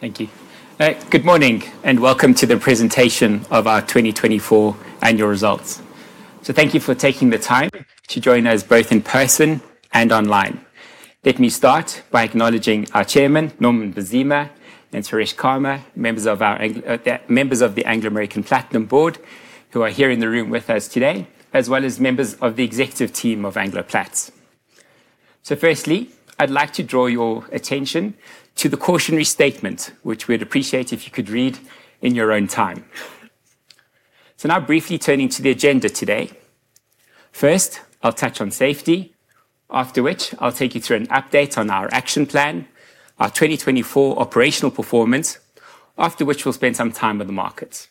Thank you. Good morning and welcome to the presentation of our 2024 annual results. Thank you for taking the time to join us both in person and online. Let me start by acknowledging our chairman, Norman Mbazima, and Thembisa Skweyiya, members of the Anglo American Platinum Board, who are here in the room with us today, as well as members of the executive team of Anglo Plats. Firstly, I'd like to draw your attention to the cautionary statement, which we'd appreciate if you could read in your own time. Now, briefly turning to the agenda today. First, I'll touch on safety, after which I'll take you through an update on our action plan, our 2024 operational performance, after which we'll spend some time with the markets.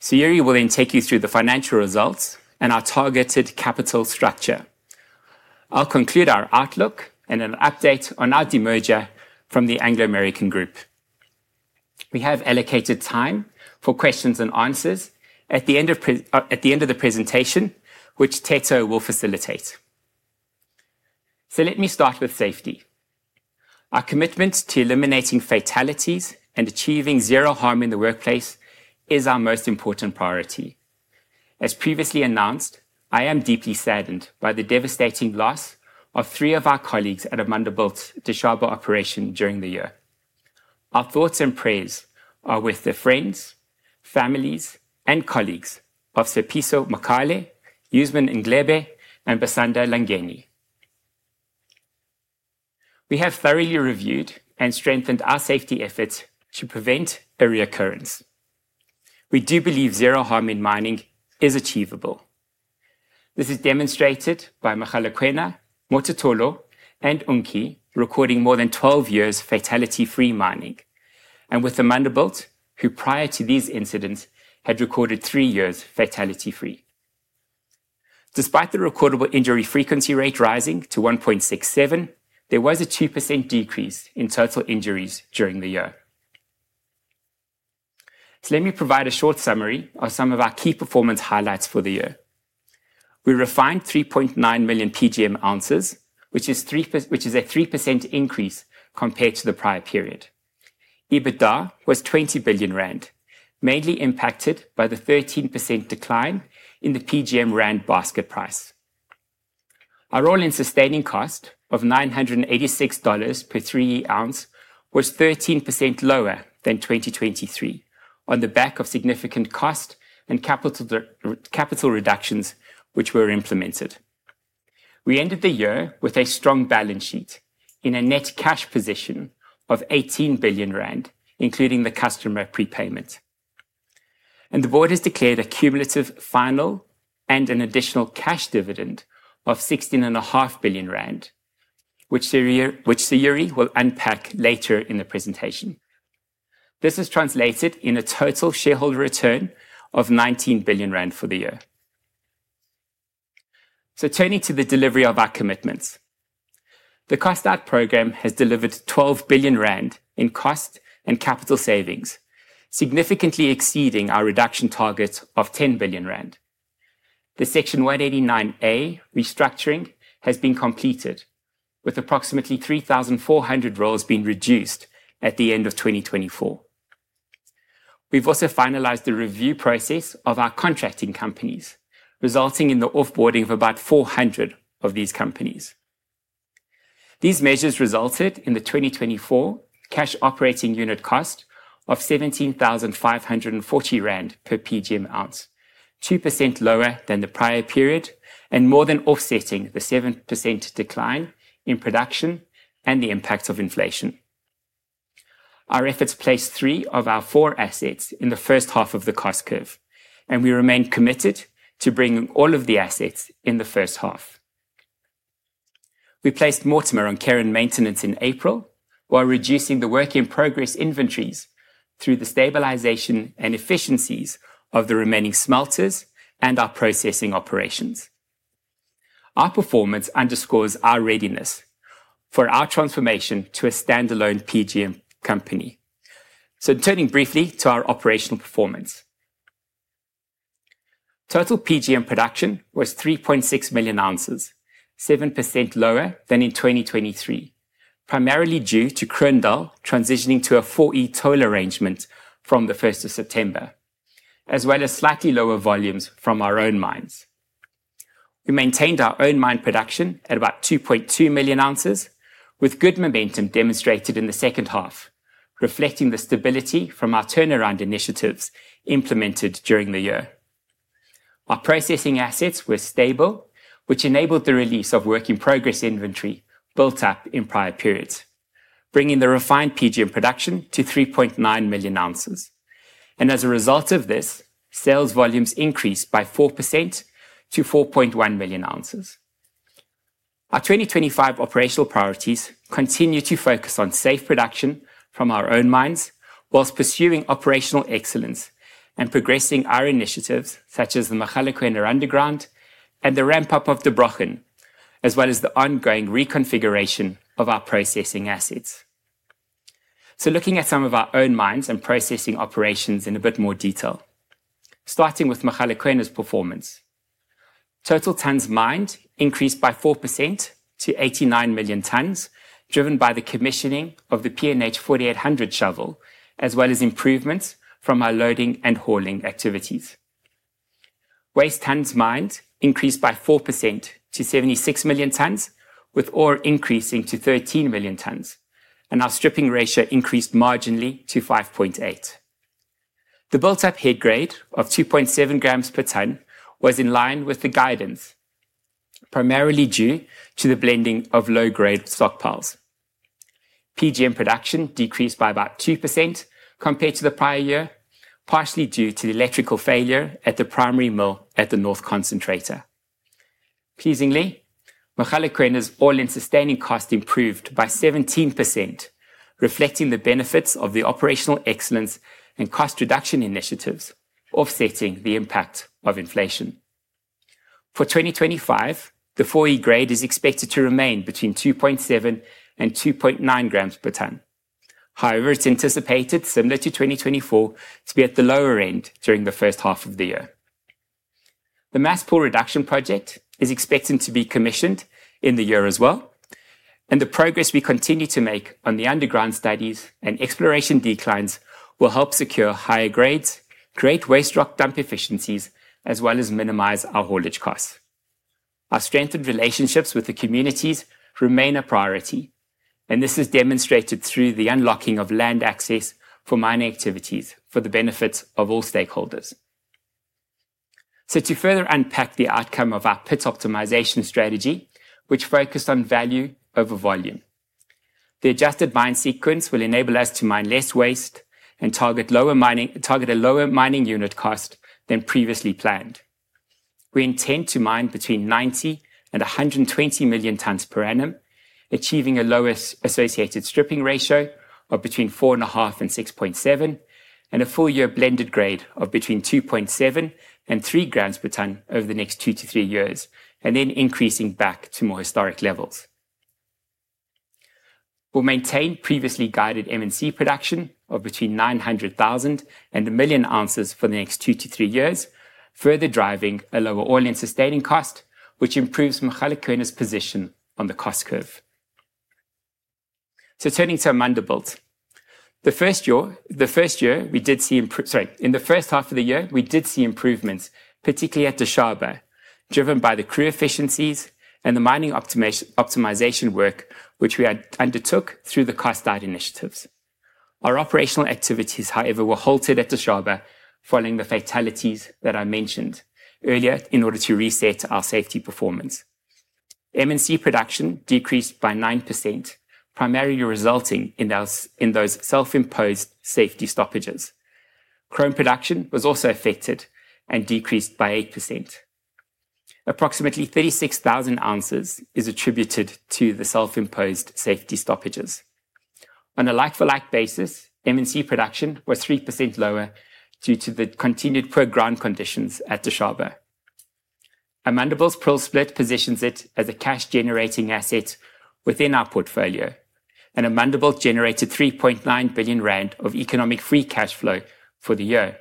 Sayuri Naidoo will then take you through the financial results and our targeted capital structure. I'll conclude our outlook and an update on our demerger from the Anglo American Group. We have allocated time for questions and answers at the end of the presentation, which Theto will facilitate. So let me start with safety. Our commitment to eliminating fatalities and achieving zero harm in the workplace is our most important priority. As previously announced, I am deeply saddened by the devastating loss of three of our colleagues at Amandelbult's Dishaba operation during the year. Our thoughts and prayers are with the friends, families, and colleagues of Tshepiso Mokale, Euzmen Ndlebe, and Basanda Langeni. We have thoroughly reviewed and strengthened our safety efforts to prevent a reoccurrence. We do believe zero harm in mining is achievable. This is demonstrated by Mogalakwena, Mototolo, and Unki, recording more than 12 years fatality-free mining, and with Amandelbult, who prior to these incidents had recorded three years fatality-free. Despite the recordable injury frequency rate rising to 1.67, there was a 2% decrease in total injuries during the year. So let me provide a short summary of some of our key performance highlights for the year. We refined 3.9 million PGM ounces, which is a 3% increase compared to the prior period. EBITDA was 20 billion rand, mainly impacted by the 13% decline in the PGM rand basket price. Our all-in sustaining cost of $986 per 3E ounce was 13% lower than 2023 on the back of significant cost and capital reductions which were implemented. We ended the year with a strong balance sheet in a net cash position of 18 billion rand, including the customer prepayment. The board has declared a cumulative final and an additional cash dividend of 16.5 billion rand, which Sayuri will unpack later in the presentation. This is translated in a total shareholder return of 19 billion rand for the year. Turning to the delivery of our commitments, the Cost Out program has delivered 12 billion rand in cost and capital savings, significantly exceeding our reduction targets of 10 billion rand. The Section 189A restructuring has been completed, with approximately 3,400 roles being reduced at the end of 2024. We've also finalized the review process of our contracting companies, resulting in the offboarding of about 400 of these companies. These measures resulted in the 2024 cash operating unit cost of 17,540 rand per PGM ounce, 2% lower than the prior period and more than offsetting the 7% decline in production and the impacts of inflation. Our efforts placed three of our four assets in the first half of the cost curve, and we remained committed to bringing all of the assets in the first half. We placed Mortimer on care and maintenance in April, while reducing the work in progress inventories through the stabilization and efficiencies of the remaining smelters and our processing operations. Our performance underscores our readiness for our transformation to a standalone PGM company. So turning briefly to our operational performance, total PGM production was 3.6 million ounces, 7% lower than in 2023, primarily due to Kroondal transitioning to a 4E toll arrangement from the 1st of September, as well as slightly lower volumes from our own mines. We maintained our own mine production at about 2.2 million ounces, with good momentum demonstrated in the second half, reflecting the stability from our turnaround initiatives implemented during the year. Our processing assets were stable, which enabled the release of work in progress inventory built up in prior periods, bringing the refined PGM production to 3.9 million ounces. And as a result of this, sales volumes increased by 4% to 4.1 million ounces. Our 2025 operational priorities continue to focus on safe production from our own mines while pursuing operational excellence and progressing our initiatives such as the Mogalakwena Underground and the ramp-up of Der Brochen, as well as the ongoing reconfiguration of our processing assets. So looking at some of our own mines and processing operations in a bit more detail, starting with Mogalakwena's performance. Total tonnes mined increased by 4% to 89 million tonnes, driven by the commissioning of the P&H 4800 shovel, as well as improvements from our loading and hauling activities. Waste tonnes mined increased by 4% to 76 million tonnes, with ore increasing to 13 million tonnes, and our stripping ratio increased marginally to 5.8. The built-up head grade of 2.7 grams per tonne was in line with the guidance, primarily due to the blending of low-grade stockpiles. PGM production decreased by about 2% compared to the prior year, partially due to the electrical failure at the primary mill at the North Concentrator. Pleasingly, Mogalakwena's all-in sustaining cost improved by 17%, reflecting the benefits of the operational excellence and cost reduction initiatives, offsetting the impact of inflation. For 2025, the 4E grade is expected to remain between 2.7-2.9 grams per tonne. However, it's anticipated, similar to 2024, to be at the lower end during the first half of the year. The mass pull reduction project is expected to be commissioned in the year as well, and the progress we continue to make on the underground studies and exploration declines will help secure higher grades, create waste rock dump efficiencies, as well as minimize our haulage costs. Our strengthened relationships with the communities remain a priority, and this is demonstrated through the unlocking of land access for mining activities for the benefits of all stakeholders, so to further unpack the outcome of our pit optimization strategy, which focused on value over volume, the adjusted mine sequence will enable us to mine less waste and target a lower mining unit cost than previously planned. We intend to mine between 90-120 million tonnes per annum, achieving a lowest associated stripping ratio of between 4.5-6.7, and a full-year blended grade of between 2.7-3 grams per tonne over the next two to three years, and then increasing back to more historic levels. We'll maintain previously guided M&C production of between 900,000 and 1 million ounces for the next two to three years, further driving a lower all-in sustaining cost, which improves Mogalakwena's position on the cost curve. Turning to Amandelbult, the first year we did see, sorry, in the first half of the year, we did see improvements, particularly at Dishaba, driven by the crew efficiencies and the mining optimization work, which we undertook through the Cost Out initiatives. Our operational activities, however, were halted at Dishaba following the fatalities that I mentioned earlier in order to reset our safety performance. M&C production decreased by 9%, primarily resulting in those self-imposed safety stoppages. Chrome production was also affected and decreased by 8%. Approximately 36,000 ounces is attributed to the self-imposed safety stoppages. On a like-for-like basis, M&C production was 3% lower due to the continued poor ground conditions at Dishaba. Amandelbult's prill split positions it as a cash-generating asset within our portfolio, and Amandelbult generated 3.9 billion rand of economic free cash flow for the year.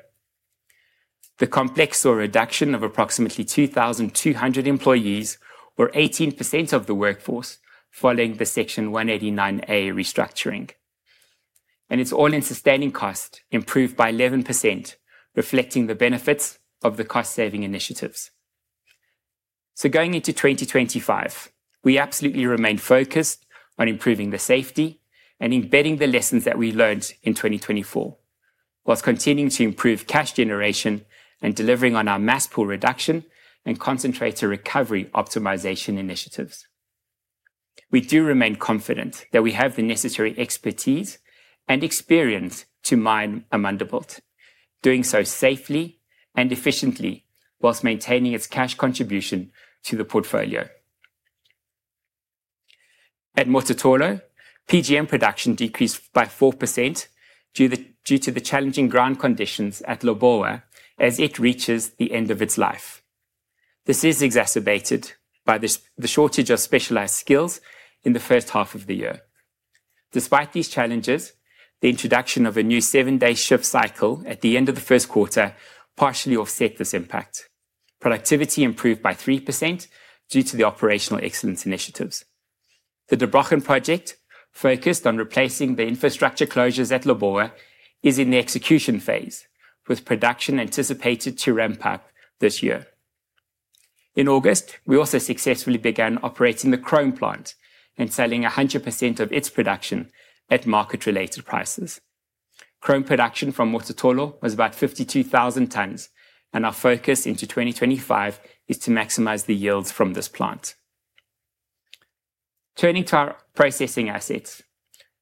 The complex saw a reduction of approximately 2,200 employees, or 18% of the workforce, following the Section 189A restructuring, and its all-in sustaining cost improved by 11%, reflecting the benefits of the cost-saving initiatives. So going into 2025, we absolutely remain focused on improving the safety and embedding the lessons that we learned in 2024, while continuing to improve cash generation and delivering on our mass pull reduction and concentrator recovery optimization initiatives. We do remain confident that we have the necessary expertise and experience to mine Amandelbult, doing so safely and efficiently while maintaining its cash contribution to the portfolio. At Mototolo, PGM production decreased by 4% due to the challenging ground conditions at Lebowa as it reaches the end of its life. This is exacerbated by the shortage of specialized skills in the first half of the year. Despite these challenges, the introduction of a new seven-day shift cycle at the end of the first quarter partially offset this impact. Productivity improved by 3% due to the operational excellence initiatives. The Der Brochen project, focused on replacing the infrastructure closures at Lebowa, is in the execution phase, with production anticipated to ramp up this year. In August, we also successfully began operating the chrome plant and selling 100% of its production at market-related prices. Chrome production from Mototolo was about 52,000 tonnes, and our focus into 2025 is to maximize the yields from this plant. Turning to our processing assets,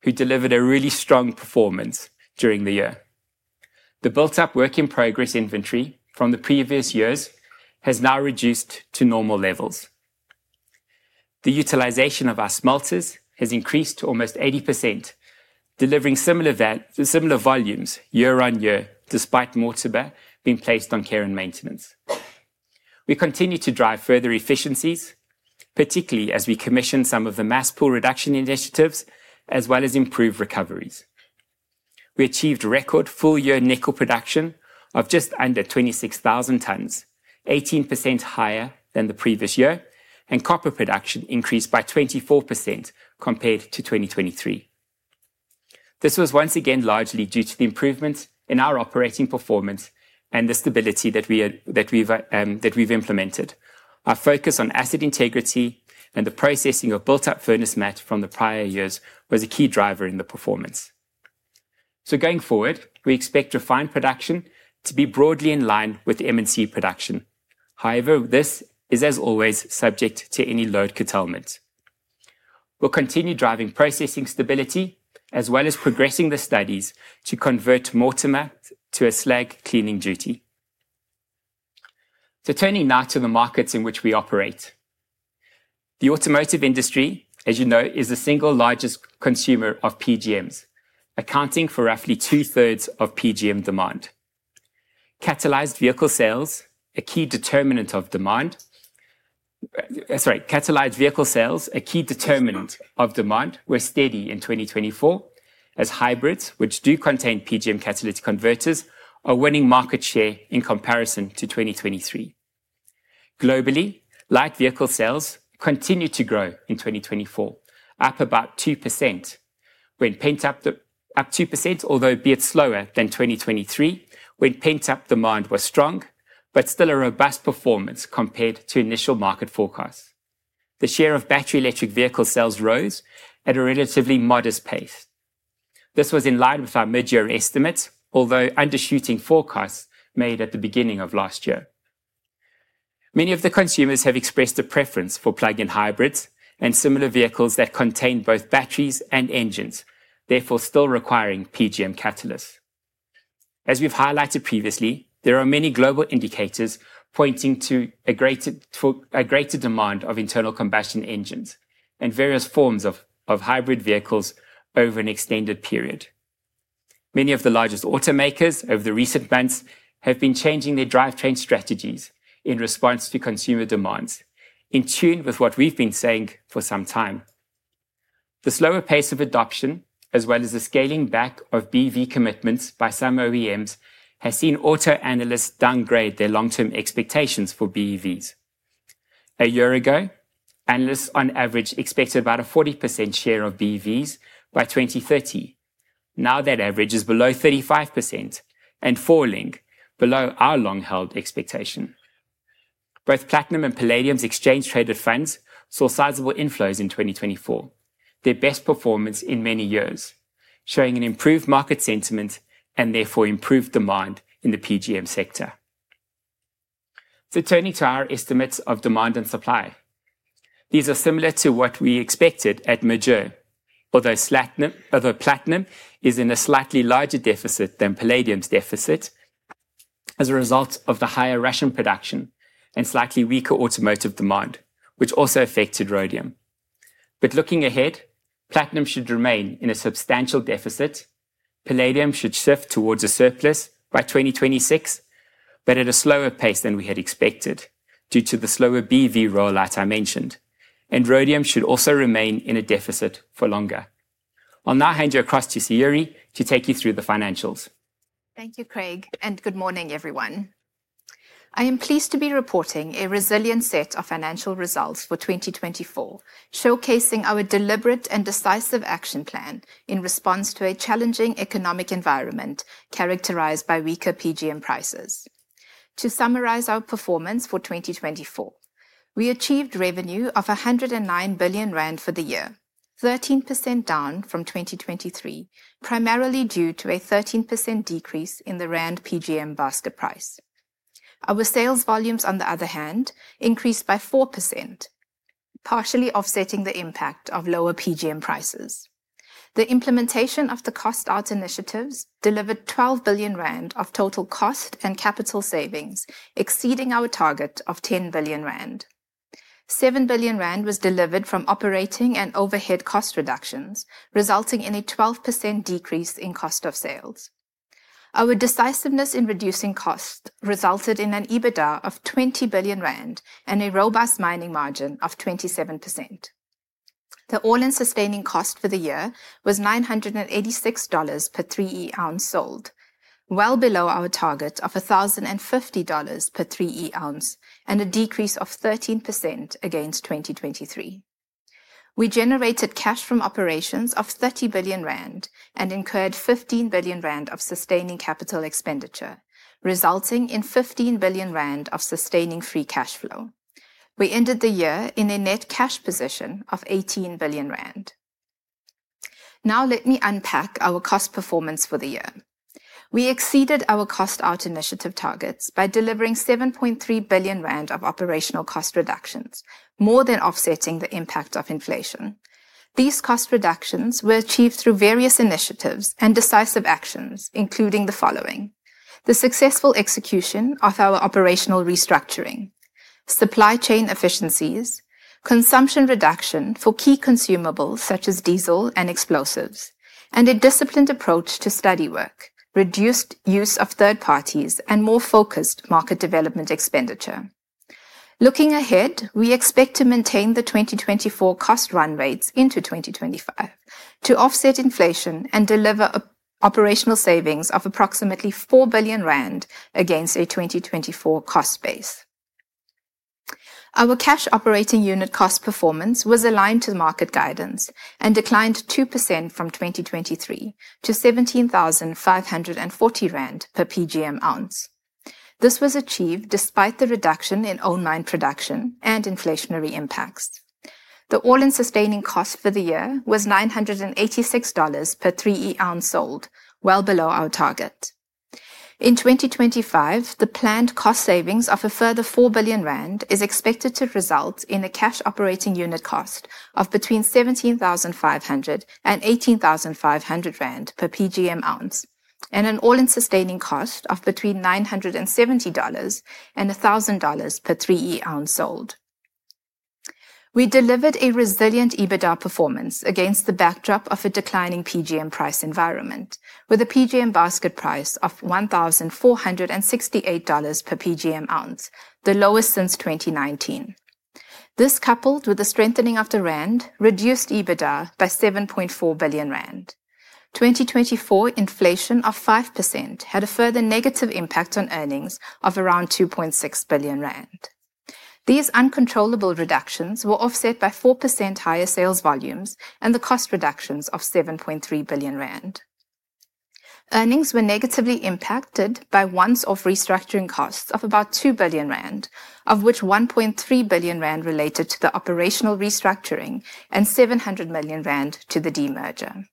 who delivered a really strong performance during the year. The built-up work in progress inventory from the previous years has now reduced to normal levels. The utilization of our smelters has increased to almost 80%, delivering similar volumes year-on-year, despite Mortimer being placed on care and maintenance. We continue to drive further efficiencies, particularly as we commission some of the mass pull reduction initiatives, as well as improve recoveries. We achieved record full-year nickel production of just under 26,000 tonnes, 18% higher than the previous year, and copper production increased by 24% compared to 2023. This was once again largely due to the improvements in our operating performance and the stability that we've implemented. Our focus on asset integrity and the processing of built-up furnace matte from the prior years was a key driver in the performance. So going forward, we expect refined production to be broadly in line with M&C production. However, this is, as always, subject to any load curtailment. We'll continue driving processing stability, as well as progressing the studies to convert Mortimer to a slag cleaning duty. So turning now to the markets in which we operate. The automotive industry, as you know, is the single largest consumer of PGMs, accounting for roughly two-thirds of PGM demand. Catalyzed vehicle sales, a key determinant of demand, were steady in 2024, as hybrids, which do contain PGM catalytic converters, are winning market share in comparison to 2023. Globally, light vehicle sales continued to grow in 2024, up about 2%, albeit slower than 2023, when pent-up demand was strong, but still a robust performance compared to initial market forecasts. The share of battery electric vehicle sales rose at a relatively modest pace. This was in line with our mid-year estimates, although undershooting forecasts made at the beginning of last year. Many of the consumers have expressed a preference for plug-in hybrids and similar vehicles that contain both batteries and engines, therefore still requiring PGM catalysts. As we've highlighted previously, there are many global indicators pointing to a greater demand of internal combustion engines and various forms of hybrid vehicles over an extended period. Many of the largest automakers over the recent months have been changing their drivetrain strategies in response to consumer demands, in tune with what we've been saying for some time. The slower pace of adoption, as well as the scaling back of BEV commitments by some OEMs, has seen auto analysts downgrade their long-term expectations for BEVs. A year ago, analysts on average expected about a 40% share of BEVs by 2030. Now that average is below 35% and falling below our long-held expectation. Both Platinum and Palladium's exchange-traded funds saw sizable inflows in 2024, their best performance in many years, showing an improved market sentiment and therefore improved demand in the PGM sector. So turning to our estimates of demand and supply. These are similar to what we expected at mid-year, although platinum is in a slightly larger deficit than palladium's deficit as a result of the higher Russian production and slightly weaker automotive demand, which also affected rhodium. But looking ahead, Platinum should remain in a substantial deficit. Palladium should shift towards a surplus by 2026, but at a slower pace than we had expected due to the slower BEV rollout I mentioned. And Rhodium should also remain in a deficit for longer. I'll now hand you across to Sayuri to take you through the financials. Thank you, Craig, and good morning, everyone. I am pleased to be reporting a resilient set of financial results for 2024, showcasing our deliberate and decisive action plan in response to a challenging economic environment characterized by weaker PGM prices. To summarize our performance for 2024, we achieved revenue of 109 billion rand for the year, 13% down from 2023, primarily due to a 13% decrease in the rand PGM basket price. Our sales volumes, on the other hand, increased by 4%, partially offsetting the impact of lower PGM prices. The implementation of the Cost Out initiatives delivered 12 billion rand of total cost and capital savings, exceeding our target of 10 billion rand. 7 billion rand was delivered from operating and overhead cost reductions, resulting in a 12% decrease in cost of sales. Our decisiveness in reducing costs resulted in an EBITDA of 20 billion rand and a robust mining margin of 27%. The all-in sustaining cost for the year was $986 per 3E ounce sold, well below our target of $1,050 per 3E ounce and a decrease of 13% against 2023. We generated cash from operations of 30 billion rand and incurred 15 billion rand of sustaining capital expenditure, resulting in 15 billion rand of sustaining free cash flow. We ended the year in a net cash position of 18 billion rand. Now let me unpack our cost performance for the year. We exceeded our Cost Out initiative targets by delivering 7.3 billion rand of operational cost reductions, more than offsetting the impact of inflation. These cost reductions were achieved through various initiatives and decisive actions, including the following: the successful execution of our operational restructuring, supply chain efficiencies, consumption reduction for key consumables such as diesel and explosives, and a disciplined approach to study work, reduced use of third parties and more focused market development expenditure. Looking ahead, we expect to maintain the 2024 cost run rates into 2025 to offset inflation and deliver operational savings of approximately 4 billion rand against a 2024 cost base. Our cash operating unit cost performance was aligned to market guidance and declined 2% from 2023 to 17,540 rand per PGM ounce. This was achieved despite the reduction in old mine production and inflationary impacts. The all-in sustaining cost for the year was $986 per 3E ounce sold, well below our target. In 2025, the planned cost savings of a further 4 billion rand is expected to result in a cash operating unit cost of between 17,500 and 18,500 rand per PGM ounce and an all-in sustaining cost of between $970 and $1,000 per 3E ounce sold. We delivered a resilient EBITDA performance against the backdrop of a declining PGM price environment, with a PGM basket price of $1,468 per PGM ounce, the lowest since 2019. This, coupled with the strengthening of the rand, reduced EBITDA by 7.4 billion rand. 2024 inflation of 5% had a further negative impact on earnings of around 2.6 billion rand. These uncontrollable reductions were offset by 4% higher sales volumes and the cost reductions of 7.3 billion rand. Earnings were negatively impacted by one-off restructuring costs of about 2 billion rand, of which 1.3 billion rand related to the operational restructuring and 700 million rand to the de-merger.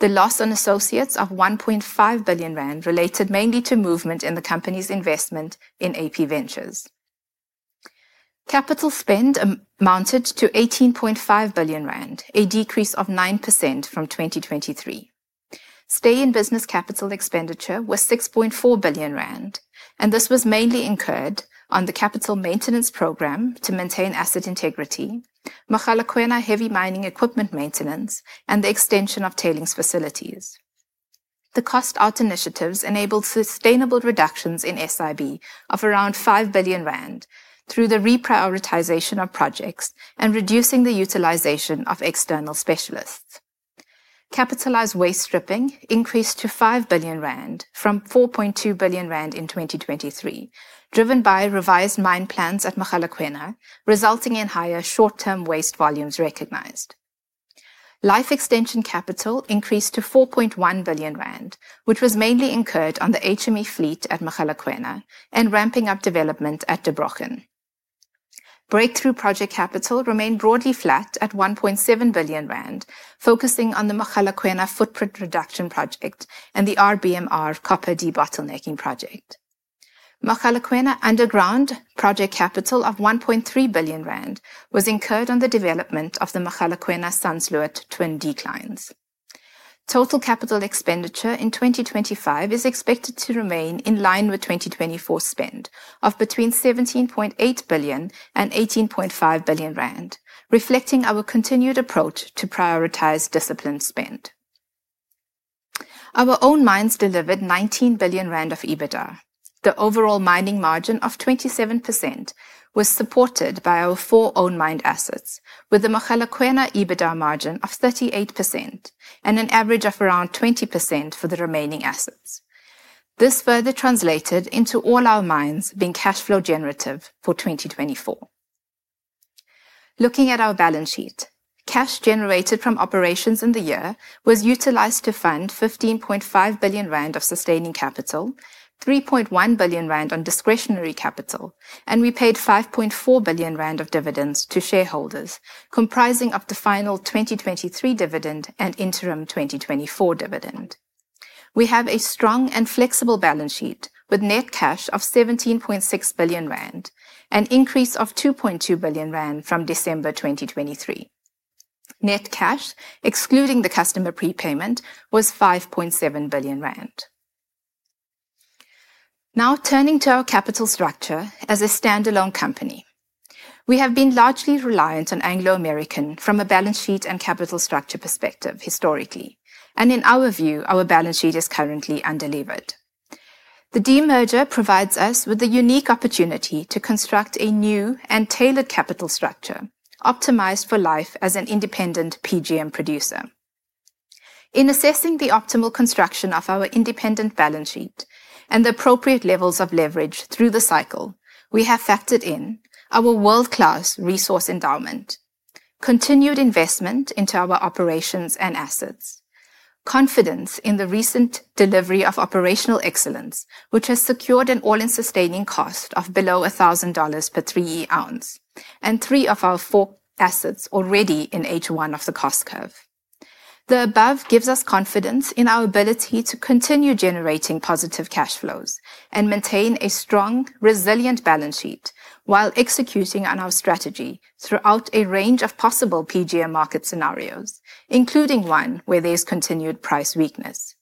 The loss on associates of 1.5 billion rand related mainly to movement in the company's investment in AP Ventures. Capital spend amounted to 18.5 billion rand, a decrease of 9% from 2023. Stay-in-business capital expenditure was 6.4 billion rand, and this was mainly incurred on the capital maintenance program to maintain asset integrity, Mogalakwena heavy mining equipment maintenance, and the extension of tailings facilities. The Cost Out initiatives enabled sustainable reductions in SIB of around 5 billion rand through the reprioritization of projects and reducing the utilization of external specialists. Capitalized waste stripping increased to 5 billion rand from 4.2 billion rand in 2023, driven by revised mine plans at Mogalakwena, resulting in higher short-term waste volumes recognized. Life extension capital increased to 4.1 billion rand, which was mainly incurred on the HME fleet at Mogalakwena and ramping up development at Der Brochen. Breakthrough project capital remained broadly flat at 1.7 billion rand, focusing on the Mogalakwena footprint reduction project and the RBMR copper de-bottlenecking project. Mogalakwena underground project capital of 1.3 billion rand was incurred on the development of the Mogalakwena-Sandsloot twin declines. Total capital expenditure in 2025 is expected to remain in line with 2024 spend of between 17.8 billion and 18.5 billion rand, reflecting our continued approach to prioritize disciplined spend. Our old mines delivered 19 billion rand of EBITDA. The overall mining margin of 27% was supported by our four old mine assets, with the Mogalakwena EBITDA margin of 38% and an average of around 20% for the remaining assets. This further translated into all our mines being cash flow generative for 2024. Looking at our balance sheet, cash generated from operations in the year was utilized to fund 15.5 billion rand of sustaining capital, 3.1 billion rand on discretionary capital, and we paid 5.4 billion rand of dividends to shareholders, comprising up to final 2023 dividend and interim 2024 dividend. We have a strong and flexible balance sheet with net cash of 17.6 billion rand, an increase of 2.2 billion rand from December 2023. Net cash, excluding the customer prepayment, was 5.7 billion rand. Now turning to our capital structure as a standalone company. We have been largely reliant on Anglo American from a balance sheet and capital structure perspective historically, and in our view, our balance sheet is currently underlevered. The demerger provides us with a unique opportunity to construct a new and tailored capital structure optimized for life as an independent PGM producer. In assessing the optimal construction of our independent balance sheet and the appropriate levels of leverage through the cycle, we have factored in our world-class resource endowment, continued investment into our operations and assets, confidence in the recent delivery of operational excellence, which has secured an all-in sustaining cost of below $1,000 per 3E ounce and three of our four assets already in H1 of the cost curve. The above gives us confidence in our ability to continue generating positive cash flows and maintain a strong, resilient balance sheet while executing on our strategy throughout a range of possible PGM market scenarios, including one where there's continued price weakness.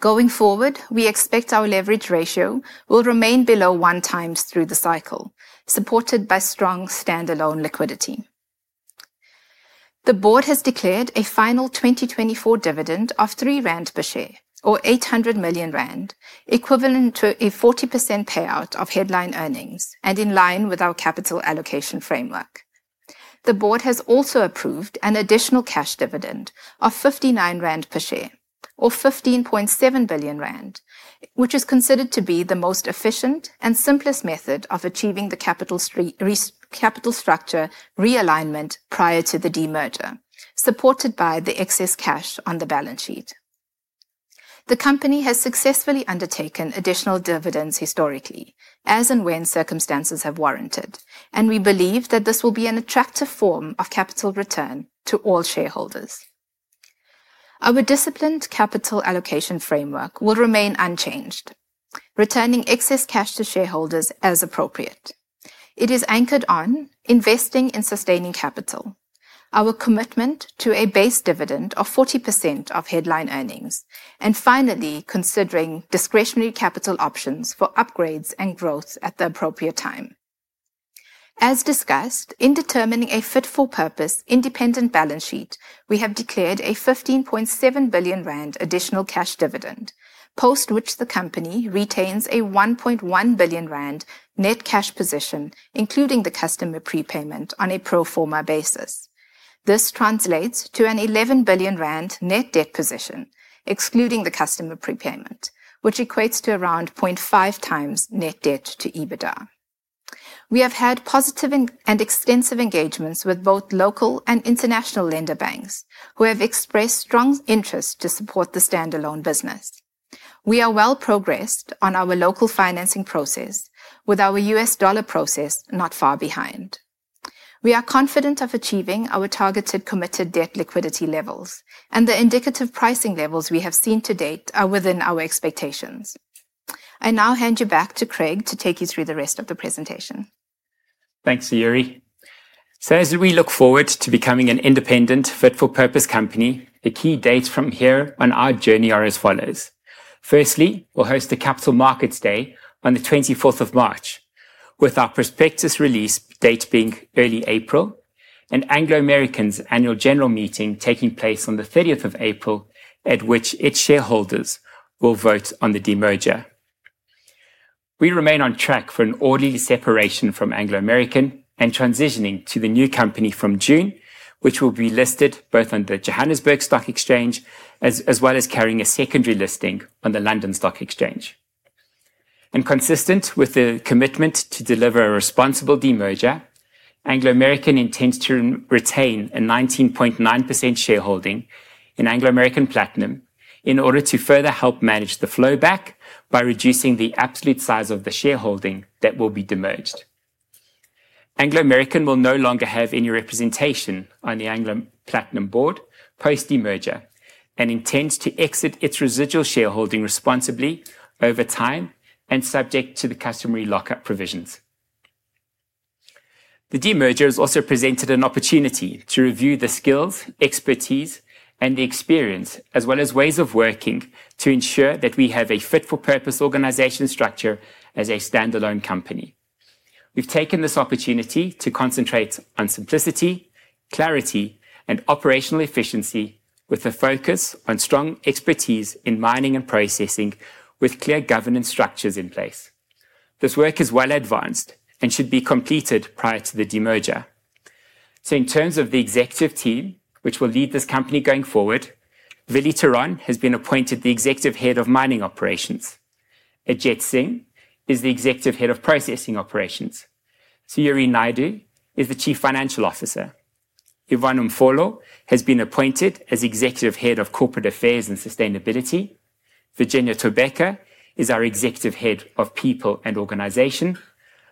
Going forward, we expect our leverage ratio will remain below one times through the cycle, supported by strong standalone liquidity. The board has declared a final 2024 dividend of 3 rand per share, or 800 million rand, equivalent to a 40% payout of headline earnings and in line with our capital allocation framework. The board has also approved an additional cash dividend of 59 rand per share, or 15.7 billion rand, which is considered to be the most efficient and simplest method of achieving the capital structure realignment prior to the de-merger, supported by the excess cash on the balance sheet. The company has successfully undertaken additional dividends historically, as and when circumstances have warranted, and we believe that this will be an attractive form of capital return to all shareholders. Our disciplined capital allocation framework will remain unchanged, returning excess cash to shareholders as appropriate. It is anchored on investing in sustaining capital, our commitment to a base dividend of 40% of headline earnings, and finally, considering discretionary capital options for upgrades and growth at the appropriate time. As discussed, in determining a fit for purpose independent balance sheet, we have declared a 15.7 billion rand additional cash dividend, after which the company retains a 1.1 billion rand net cash position, including the customer prepayment on a pro forma basis. This translates to a 11 billion rand net debt position, excluding the customer prepayment, which equates to around 0.5 times net debt to EBITDA. We have had positive and extensive engagements with both local and international lender banks, who have expressed strong interest to support the standalone business. We are well progressed on our local financing process, with our US dollar process not far behind. We are confident of achieving our targeted committed debt liquidity levels, and the indicative pricing levels we have seen to date are within our expectations. I now hand you back to Craig to take you through the rest of the presentation. Thanks, Sayuri. So, as we look forward to becoming an independent, fit-for-purpose company, the key dates from here on our journey are as follows. Firstly, we'll host the Capital Markets Day on the 24th of March, with our prospectus release date being early April, and Anglo American's annual general meeting taking place on the 30th of April, at which its shareholders will vote on the de-merger. We remain on track for an orderly separation from Anglo American and transitioning to the new company from June, which will be listed both on the Johannesburg Stock Exchange, as well as carrying a secondary listing on the London Stock Exchange. And consistent with the commitment to deliver a responsible de-merger, Anglo American intends to retain a 19.9% shareholding in Anglo American Platinum in order to further help manage the flow back by reducing the absolute size of the shareholding that will be de-merged. Anglo American will no longer have any representation on the Anglo Platinum board post de-merger and intends to exit its residual shareholding responsibly over time and subject to the customary lockup provisions. The de-merger has also presented an opportunity to review the skills, expertise, and the experience, as well as ways of working, to ensure that we have a fit for purpose organization structure as a standalone company. We've taken this opportunity to concentrate on simplicity, clarity, and operational efficiency, with a focus on strong expertise in mining and processing, with clear governance structures in place. This work is well advanced and should be completed prior to the de-merger. In terms of the executive team, which will lead this company going forward, Willem Theron has been appointed the Executive Head of Mining Operations. Ajith Singh is the Executive Head of Processing Operations. Sayuri Naidoo is the Chief Financial Officer. Yvonne Mfolo has been appointed as Executive Head of Corporate Affairs and Sustainability. Virginia Tyobeka is our Executive Head of People and Organization.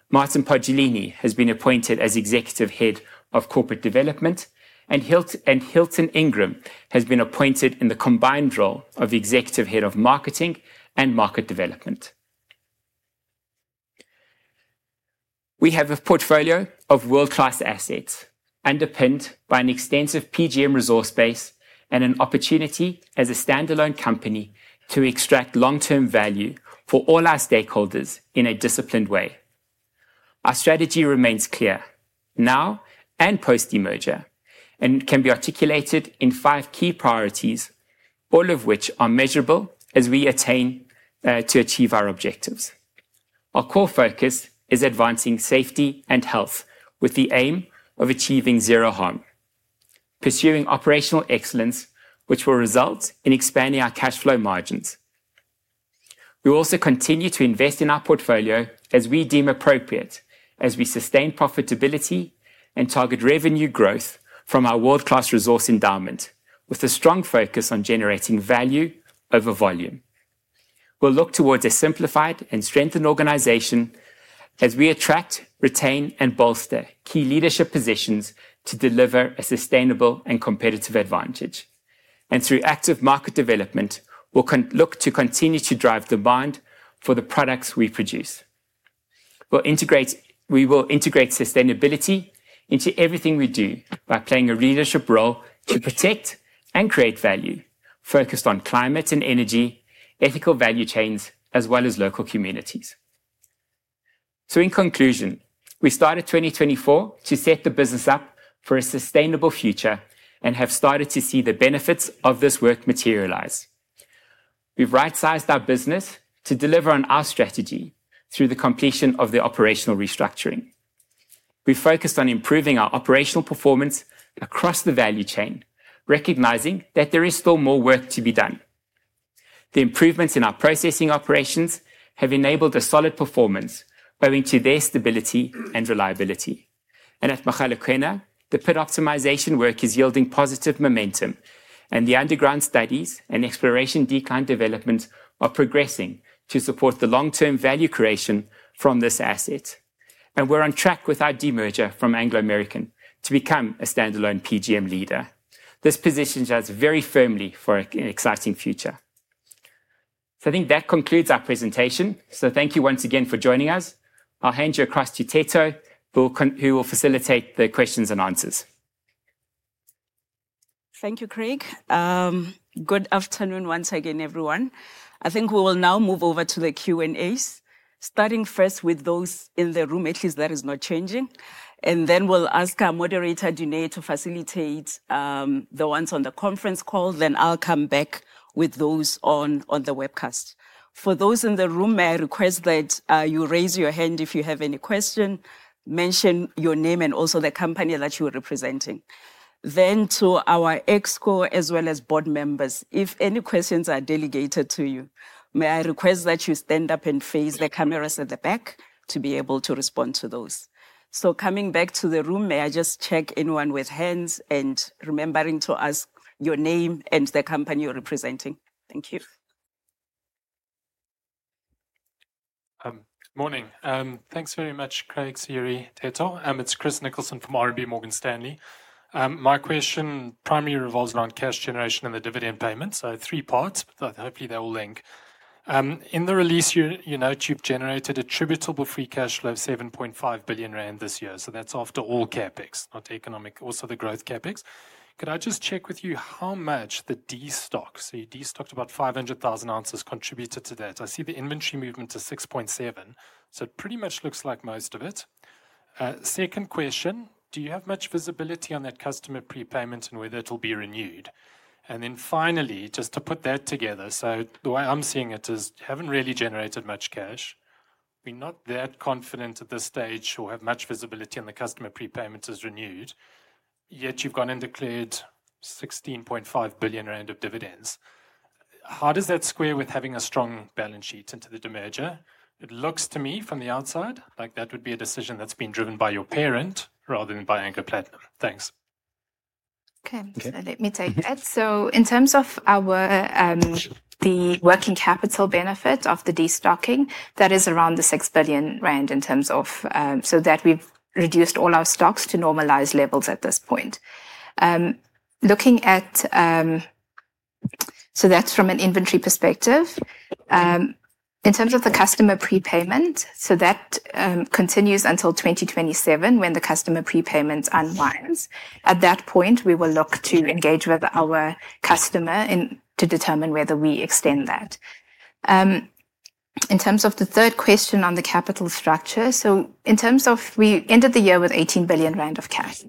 Martin Poggiolini has been appointed as Executive Head of Corporate Development, and Hilton Ingram has been appointed in the combined role of Executive Head of Marketing and Market Development. We have a portfolio of world-class assets underpinned by an extensive PGM resource base and an opportunity as a standalone company to extract long-term value for all our stakeholders in a disciplined way. Our strategy remains clear now and post de-merger and can be articulated in five key priorities, all of which are measurable as we aim to achieve our objectives. Our core focus is advancing safety and health with the aim of achieving zero harm, pursuing operational excellence, which will result in expanding our cash flow margins. We also continue to invest in our portfolio as we deem appropriate, as we sustain profitability and target revenue growth from our world-class resource endowment, with a strong focus on generating value over volume. We'll look towards a simplified and strengthened organization as we attract, retain, and bolster key leadership positions to deliver a sustainable and competitive advantage, and through active market development, we'll look to continue to drive demand for the products we produce. We will integrate sustainability into everything we do by playing a leadership role to protect and create value, focused on climate and energy, ethical value chains, as well as local communities. So, in conclusion, we started 2024 to set the business up for a sustainable future and have started to see the benefits of this work materialize. We've right-sized our business to deliver on our strategy through the completion of the operational restructuring. We focused on improving our operational performance across the value chain, recognizing that there is still more work to be done. The improvements in our processing operations have enabled a solid performance, owing to their stability and reliability. And at Mogalakwena, the pit optimization work is yielding positive momentum, and the underground studies and exploration decline development are progressing to support the long-term value creation from this asset. We're on track with our de-merger from Anglo American to become a standalone PGM leader. This positions us very firmly for an exciting future. I think that concludes our presentation. Thank you once again for joining us. I'll hand you across to Theto, who will facilitate the questions and answers. Thank you, Craig. Good afternoon once again, everyone. I think we will now move over to the Q&As, starting first with those in the room, at least that is not changing, and then we'll ask our moderator, Dineo, to facilitate the ones on the conference call, then I'll come back with those on the webcast. For those in the room, may I request that you raise your hand if you have any question, mention your name and also the company that you are representing. Then to our Exco as well as board members, if any questions are delegated to you, may I request that you stand up and face the cameras at the back to be able to respond to those? So, coming back to the room, may I just check anyone with hands and remembering to ask your name and the company you're representing? Thank you. Good morning. Thanks very much, Craig, Sayuri, Theto. It's Chris Nicholson from RMB Morgan Stanley. My question primarily revolves around cash generation and the dividend payment. So, three parts, but hopefully they will link. In the release you noted, you've generated an attributable free cash flow of 7.5 billion rand this year. So, that's after all CapEx, not economic, also the growth CapEx. Could I just check with you how much the destock, so you destocked about 500,000 ounces contributed to that? I see the inventory movement to 6.7. So, it pretty much looks like most of it. Second question, do you have much visibility on that customer prepayment and whether it'll be renewed? And then finally, just to put that together, so the way I'm seeing it is you haven't really generated much cash. We're not that confident at this stage or have much visibility on the customer prepayment is renewed, yet you've gone and declared 16.5 billion rand of dividends. How does that square with having a strong balance sheet into the de-merger? It looks to me from the outside like that would be a decision that's been driven by your parent rather than by Anglo Platinum. Thanks. Okay, so let me take that. In terms of our working capital benefit of the destocking, that is around 6 billion rand in terms of, so that we've reduced all our stocks to normalized levels at this point. Looking at, that's from an inventory perspective. In terms of the customer prepayment, that continues until 2027 when the customer prepayment unwinds. At that point, we will look to engage with our customer to determine whether we extend that. In terms of the third question on the capital structure, in terms of, we ended the year with 18 billion rand of cash.